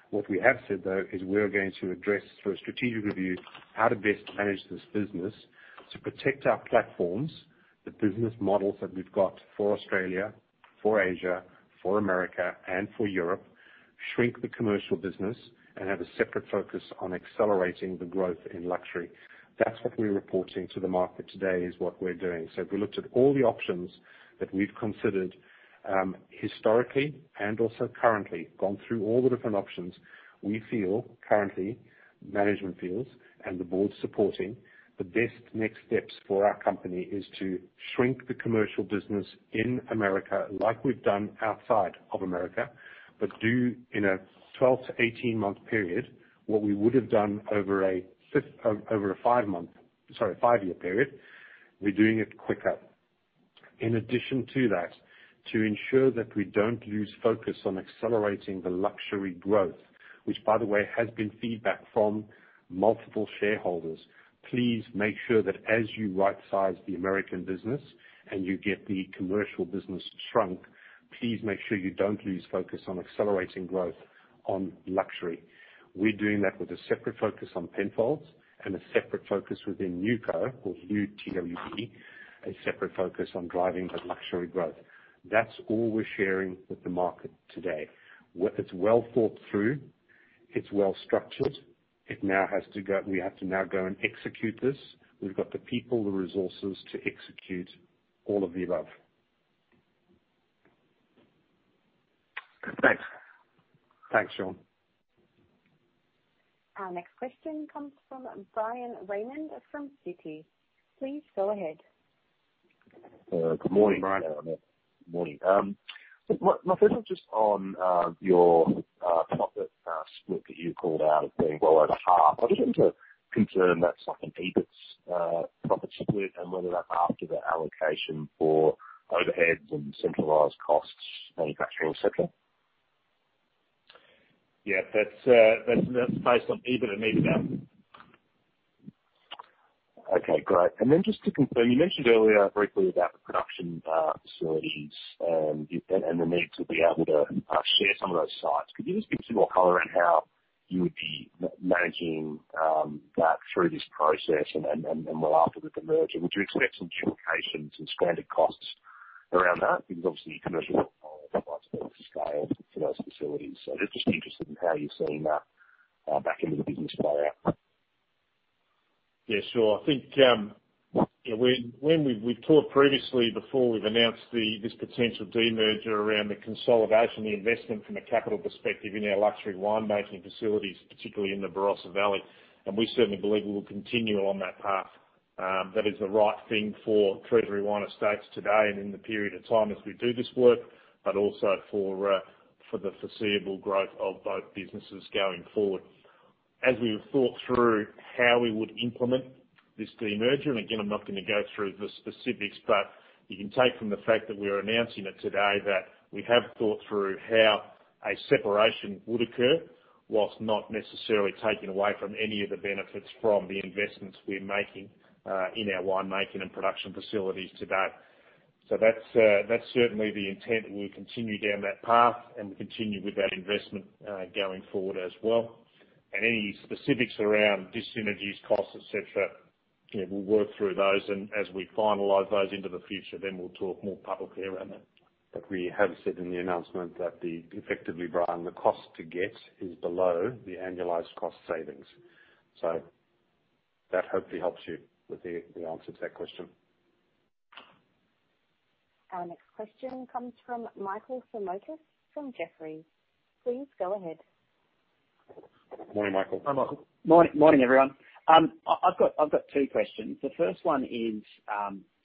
Speaker 2: What we have said, though, is we're going to address through a strategic review how to best manage this business to protect our platforms, the business models that we've got for Australia, for Asia, for America, and for Europe, shrink the commercial business, and have a separate focus on accelerating the growth in luxury. That's what we're reporting to the market today is what we're doing. So if we looked at all the options that we've considered historically and also currently, gone through all the different options, we feel currently management feels and the board's supporting the best next steps for our company is to shrink the commercial business in America like we've done outside of America, but do in a 12-18-month period what we would have done over a five-year period. We're doing it quicker. In addition to that, to ensure that we don't lose focus on accelerating the luxury growth, which, by the way, has been feedback from multiple shareholders, please make sure that as you right-size the American business and you get the commercial business shrunk, please make sure you don't lose focus on accelerating growth on luxury. We're doing that with a separate focus on Penfolds and a separate focus within NewCo or the TWE, a separate focus on driving the luxury growth. That's all we're sharing with the market today. It's well thought through. It's well structured. It now has to go. We have to now go and execute this. We've got the people, the resources to execute all of the above.
Speaker 13: Thanks.
Speaker 3: Thanks, Shaun.
Speaker 1: Our next question comes from Bryan Raymond from Citi. Please go ahead.
Speaker 2: Good morning, Bryan.
Speaker 14: Good morning. My question is just on your profit split that you called out as being well over half. I just want to confirm that's like an EBIT profit split and whether that's after the allocation for overheads and centralized costs, manufacturing, etc.
Speaker 3: Yeah, that's based on EBIT and EBITDA.
Speaker 14: Okay, great. And then just to confirm, you mentioned earlier briefly about the production facilities and the need to be able to share some of those sites. Could you just give some more color on how you would be managing that through this process and well after the demerger? Would you expect some duplications, some stranded costs around that? Because obviously commercial portfolio is quite scaled for those facilities. So just interested in how you're seeing that back into the business play out.
Speaker 3: Yeah, sure. I think when we've talked previously before we've announced this potential demerger around the consolidation, the investment from a capital perspective in our luxury wine-making facilities, particularly in the Barossa Valley. And we certainly believe we will continue on that path. That is the right thing for Treasury Wine Estates today and in the period of time as we do this work, but also for the foreseeable growth of both businesses going forward. As we have thought through how we would implement this demerger, and again, I'm not going to go through the specifics, but you can take from the fact that we are announcing it today that we have thought through how a separation would occur while not necessarily taking away from any of the benefits from the investments we're making in our wine-making and production facilities today. So that's certainly the intent that we'll continue down that path and continue with that investment going forward as well. And any specifics around de-integration costs, etc., we'll work through those. And as we finalize those into the future, then we'll talk more publicly around that.
Speaker 2: But we have said in the announcement that effectively, Bryan, the cost to get is below the annualized cost savings. So that hopefully helps you with the answer to that question.
Speaker 1: Our next question comes from Michael Simotas from Jefferies. Please go ahead.
Speaker 2: Morning, Michael.
Speaker 15: Hi, Michael. Morning, everyone. I've got two questions. The first one is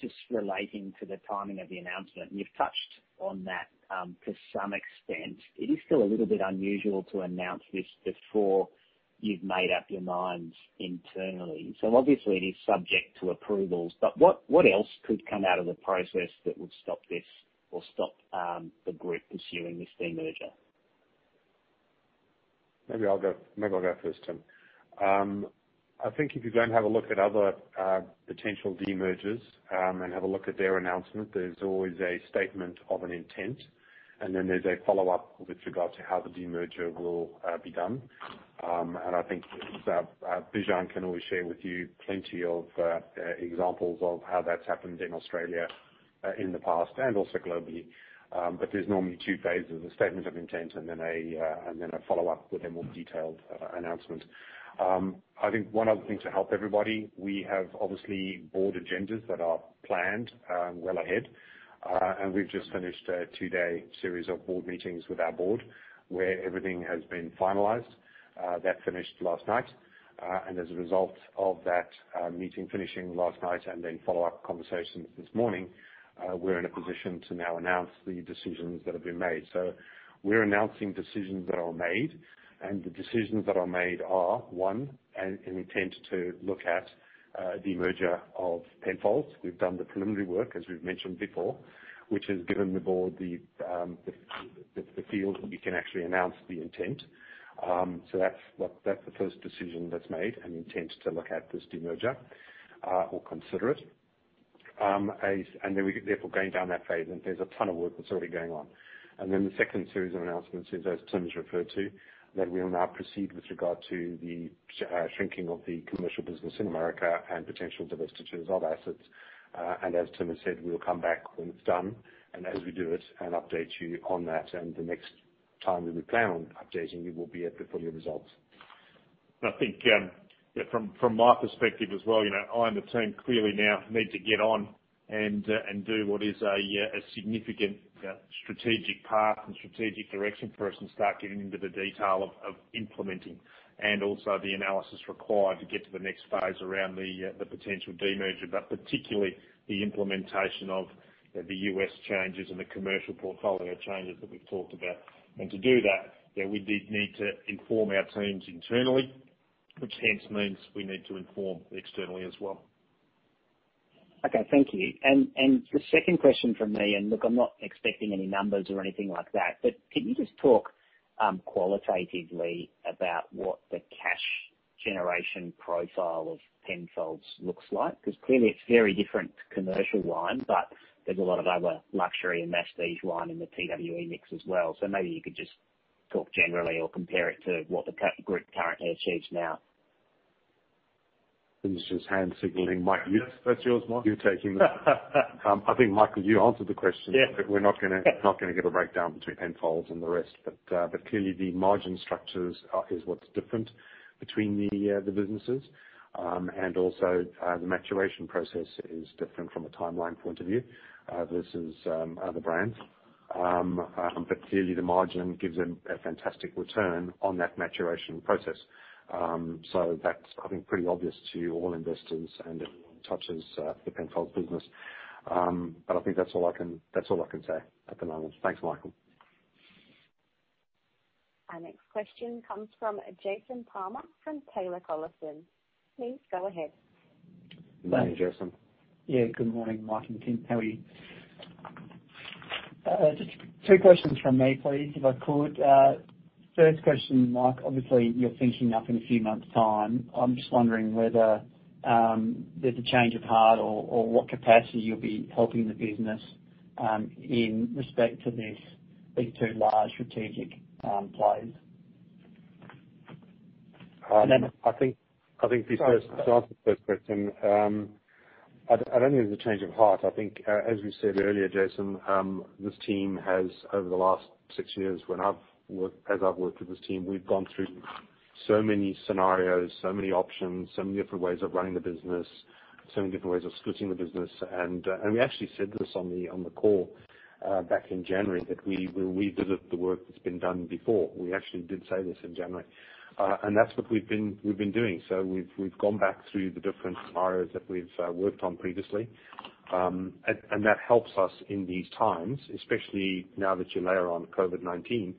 Speaker 15: just relating to the timing of the announcement. You've touched on that to some extent. It is still a little bit unusual to announce this before you've made up your mind internally. So obviously, it is subject to approvals. But what else could come out of the process that would stop this or stop the group pursuing this demerger?
Speaker 2: Maybe I'll go first, Tim. I think if you don't have a look at other potential demergers and have a look at their announcement, there's always a statement of an intent, and then there's a follow-up with regard to how the demerger will be done, and I think Bijan can always share with you plenty of examples of how that's happened in Australia in the past and also globally, but there's normally two phases: a statement of intent and then a follow-up with a more detailed announcement. I think one other thing to help everybody, we have obviously board agendas that are planned well ahead, and we've just finished a two-day series of board meetings with our board where everything has been finalized. That finished last night. And as a result of that meeting finishing last night and then follow-up conversations this morning, we're in a position to now announce the decisions that have been made. So we're announcing decisions that are made. And the decisions that are made are, one, an intent to look at the merger of Penfolds. We've done the preliminary work, as we've mentioned before, which has given the board the feel that you can actually announce the intent. So that's the first decision that's made and intent to look at this demerger or consider it. And therefore, going down that phase, and there's a ton of work that's already going on. And then the second series of announcements, as Tim's referred to, that we'll now proceed with regard to the shrinking of the commercial business in America and potential divestitures of assets. As Tim has said, we'll come back when it's done. As we do it, and update you on that. The next time that we plan on updating you will be at the full year results.
Speaker 3: I think from my perspective as well, I and the team clearly now need to get on and do what is a significant strategic path and strategic direction for us and start getting into the detail of implementing and also the analysis required to get to the next phase around the potential demerger, but particularly the implementation of the U.S. changes and the commercial portfolio changes that we've talked about. And to do that, we did need to inform our teams internally, which hence means we need to inform externally as well.
Speaker 15: Okay, thank you. And the second question from me, and look, I'm not expecting any numbers or anything like that, but can you just talk qualitatively about what the cash generation profile of Penfolds looks like? Because clearly, it's very different to commercial wine, but there's a lot of other luxury and masstige wine in the TWE mix as well. So maybe you could just talk generally or compare it to what the group currently achieves now.
Speaker 3: This is just hand signaling. Mike, you're taking the—I think, Michael, you answered the question. We're not going to get a breakdown between Penfolds and the rest. But clearly, the margin structures is what's different between the businesses. And also, the maturation process is different from a timeline point of view versus other brands. But clearly, the margin gives them a fantastic return on that maturation process. So that's, I think, pretty obvious to all investors and everyone who touches the Penfolds business. But I think that's all I can say at the moment. Thanks, Michael.
Speaker 1: Our next question comes from Jason Palmer from Taylor Collison. Please go ahead.
Speaker 2: Morning, Jason. Yeah, good morning, Mike and Tim. How are you? Two questions from me, please, if I could. First question, Mike, obviously, you're finishing up in a few months' time. I'm just wondering whether there's a change of heart or what capacity you'll be helping the business in respect to these two large strategic players. I think this answers the first question. I don't think there's a change of heart. I think, as we said earlier, Jason, this team has, over the last six years as I've worked with this team, we've gone through so many scenarios, so many options, so many different ways of running the business, so many different ways of splitting the business, and we actually said this on the call back in January that we revisit the work that's been done before. We actually did say this in January, and that's what we've been doing, so we've gone back through the different scenarios that we've worked on previously, and that helps us in these times, especially now that you're layering on COVID-19.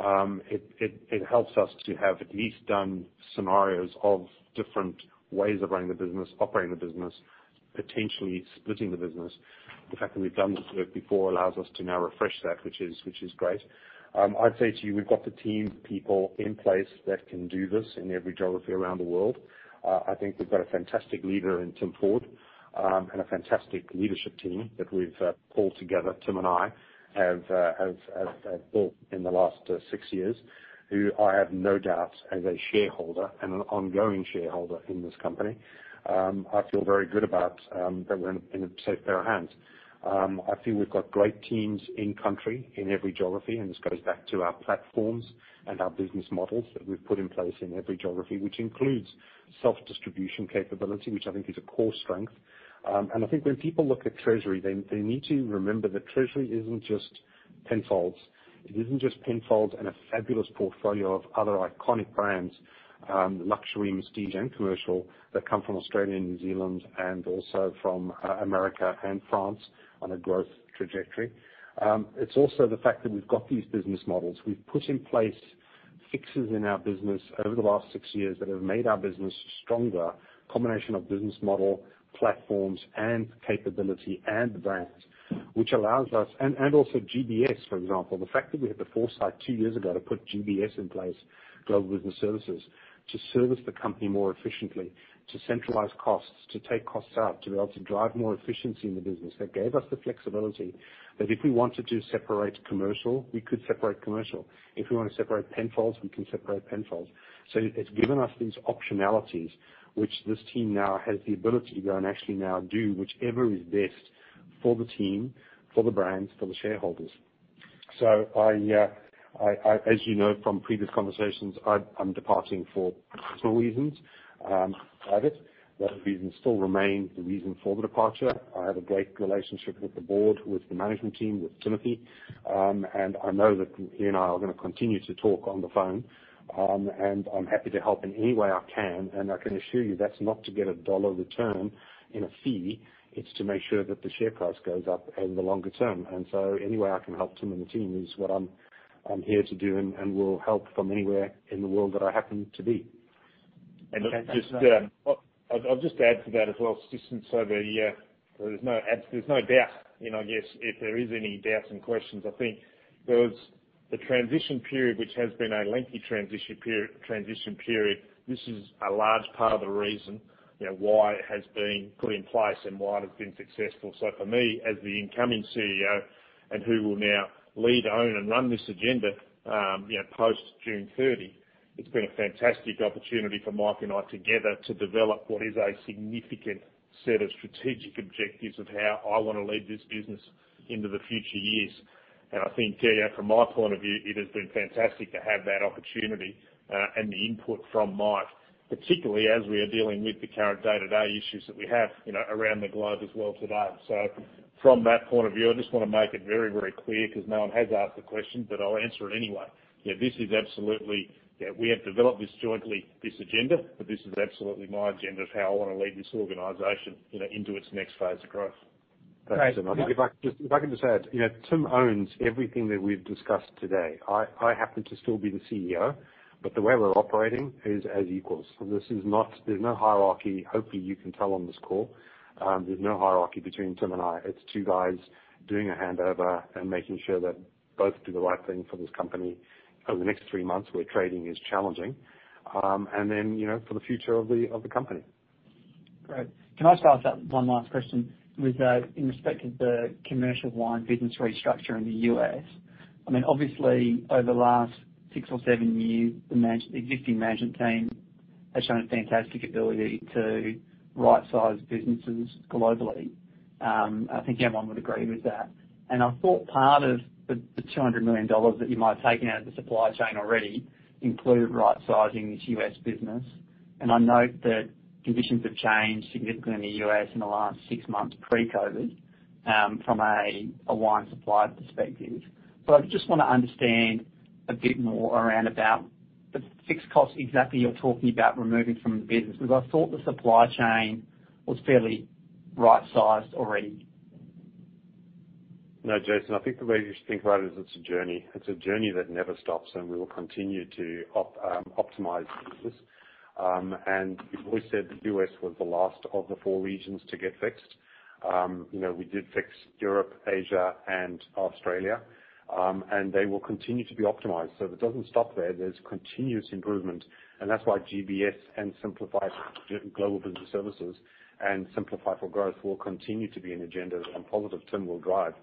Speaker 2: It helps us to have at least done scenarios of different ways of running the business, operating the business, potentially splitting the business. The fact that we've done this work before allows us to now refresh that, which is great. I'd say to you, we've got the team people in place that can do this in every geography around the world. I think we've got a fantastic leader in Tim Ford and a fantastic leadership team that we've pulled together, Tim and I, have built in the last six years, who I have no doubt as a shareholder and an ongoing shareholder in this company. I feel very good about that we're in a safe pair of hands. I think we've got great teams in country in every geography, and this goes back to our platforms and our business models that we've put in place in every geography, which includes self-distribution capability, which I think is a core strength. And I think when people look at Treasury, they need to remember that Treasury isn't just Penfolds. It isn't just Penfolds and a fabulous portfolio of other iconic brands, luxury, masstige, and commercial that come from Australia, New Zealand, and also from America and France on a growth trajectory. It's also the fact that we've got these business models. We've put in place fixes in our business over the last six years that have made our business stronger, a combination of business model, platforms, and capability and brands, which allows us, and also GBS, for example, the fact that we had the foresight two years ago to put GBS in place, Global Business Services, to service the company more efficiently, to centralize costs, to take costs out, to be able to drive more efficiency in the business. That gave us the flexibility that if we wanted to separate commercial, we could separate commercial. If we want to separate Penfolds, we can separate Penfolds. So it's given us these optionalities, which this team now has the ability to go and actually now do whichever is best for the team, for the brands, for the shareholders. So as you know from previous conversations, I'm departing for personal reasons, private. That reason still remains the reason for the departure. I have a great relationship with the board, with the management team, with Timothy. And I know that he and I are going to continue to talk on the phone. And I'm happy to help in any way I can. And I can assure you that's not to get a dollar return in a fee. It's to make sure that the share price goes up over the longer term. Any way I can help Tim and the team is what I'm here to do and will help from anywhere in the world that I happen to be.
Speaker 3: I'll just add to that as well. Just so there's no doubt, and I guess if there is any doubts and questions, I think there was the transition period, which has been a lengthy transition period. This is a large part of the reason why it has been put in place and why it has been successful. For me, as the incoming CEO and who will now lead, own, and run this agenda post June 30th, it's been a fantastic opportunity for Mike and I together to develop what is a significant set of strategic objectives of how I want to lead this business into the future years. I think from my point of view, it has been fantastic to have that opportunity and the input from Mike, particularly as we are dealing with the current day-to-day issues that we have around the globe as well today. So from that point of view, I just want to make it very, very clear because no one has asked the question, but I'll answer it anyway. This is absolutely we have developed this jointly, this agenda, but this is absolutely my agenda of how I want to lead this organization into its next phase of growth. Thanks so much.
Speaker 2: If I can just add, Tim owns everything that we've discussed today. I happen to still be the CEO, but the way we're operating is as equals. There's no hierarchy. Hopefully, you can tell on this call. There's no hierarchy between Tim and I. It's two guys doing a handover and making sure that both do the right thing for this company over the next three months where trading is challenging, and then for the future of the company. Great. Can I start with one last question? With respect to the commercial wine business restructure in the U.S., I mean, obviously, over the last six or seven years, the existing management team has shown a fantastic ability to right-size businesses globally. I think everyone would agree with that. And I thought part of the $200 million that you might have taken out of the supply chain already included right-sizing this U.S. business. And I note that conditions have changed significantly in the U.S. in the last six months pre-COVID from a wine supply perspective. So I just want to understand a bit more around about the fixed costs exactly you're talking about removing from the business because I thought the supply chain was fairly right-sized already.
Speaker 16: No, Jason, I think the way you should think about it is it's a journey. It's a journey that never stops, and we will continue to optimize this. And we said the US was the last of the four regions to get fixed. We did fix Europe, Asia, and Australia. And they will continue to be optimized. So it doesn't stop there. There's continuous improvement. And that's why GBS and Global Business Services and Simplify for Growth will continue to be an agenda that I'm positive Tim will drive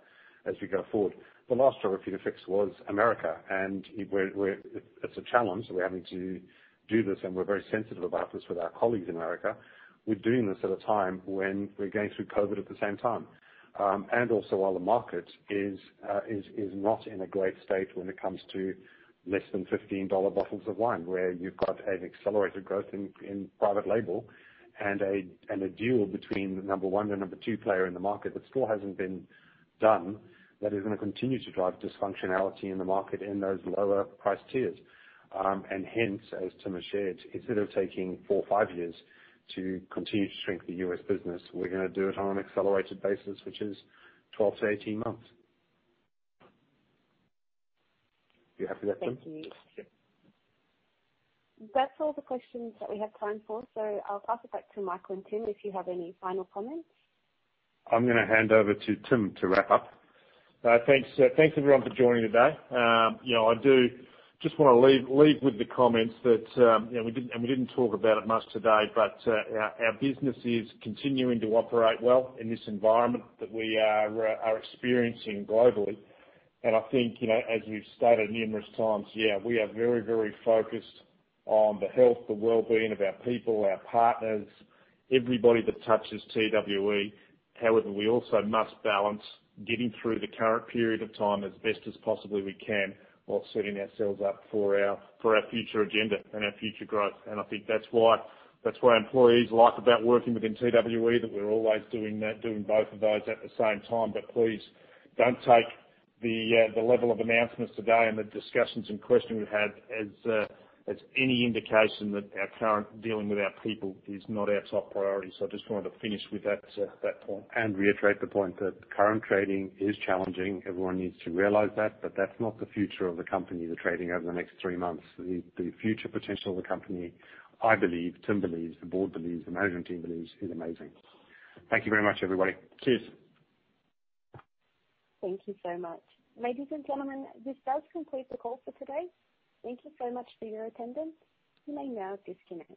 Speaker 16: as we go forward. The last job we need to fix was America. And it's a challenge. We're having to do this, and we're very sensitive about this with our colleagues in America. We're doing this at a time when we're going through COVID at the same time. And also while the market is not in a great state when it comes to less than $15 bottles of wine, where you've got an accelerated growth in private label and a deal between the number one and number two player in the market that still hasn't been done, that is going to continue to drive dysfunctionality in the market in those lower price tiers. And hence, as Tim has shared, instead of taking four or five years to continue to shrink the US business, we're going to do it on an accelerated basis, which is 12 to 18 months. You happy with that, Tim?
Speaker 1: Thank you. That's all the questions that we have time for. So I'll pass it back to Michael and Tim if you have any final comments.
Speaker 2: I'm going to hand over to Tim to wrap up.
Speaker 3: Thanks, everyone, for joining today. I do just want to leave with the comments that we didn't talk about it much today, but our business is continuing to operate well in this environment that we are experiencing globally, and I think, as we've stated numerous times, yeah, we are very, very focused on the health, the well-being of our people, our partners, everybody that touches TWE. However, we also must balance getting through the current period of time as best as possibly we can while setting ourselves up for our future agenda and our future growth, and I think that's why employees like about working within TWE, that we're always doing both of those at the same time. But please don't take the level of announcements today and the discussions and questions we've had as any indication that our current dealing with our people is not our top priority. So I just wanted to finish with that point. And reiterate the point that current trading is challenging. Everyone needs to realize that, but that's not the future of the company. The trading over the next three months, the future potential of the company, I believe, team believes, the board believes, the management team believes, is amazing. Thank you very much, everybody. Cheers.
Speaker 1: Thank you so much. Ladies and gentlemen, this does complete the call for today. Thank you so much for your attendance. You may now disconnect.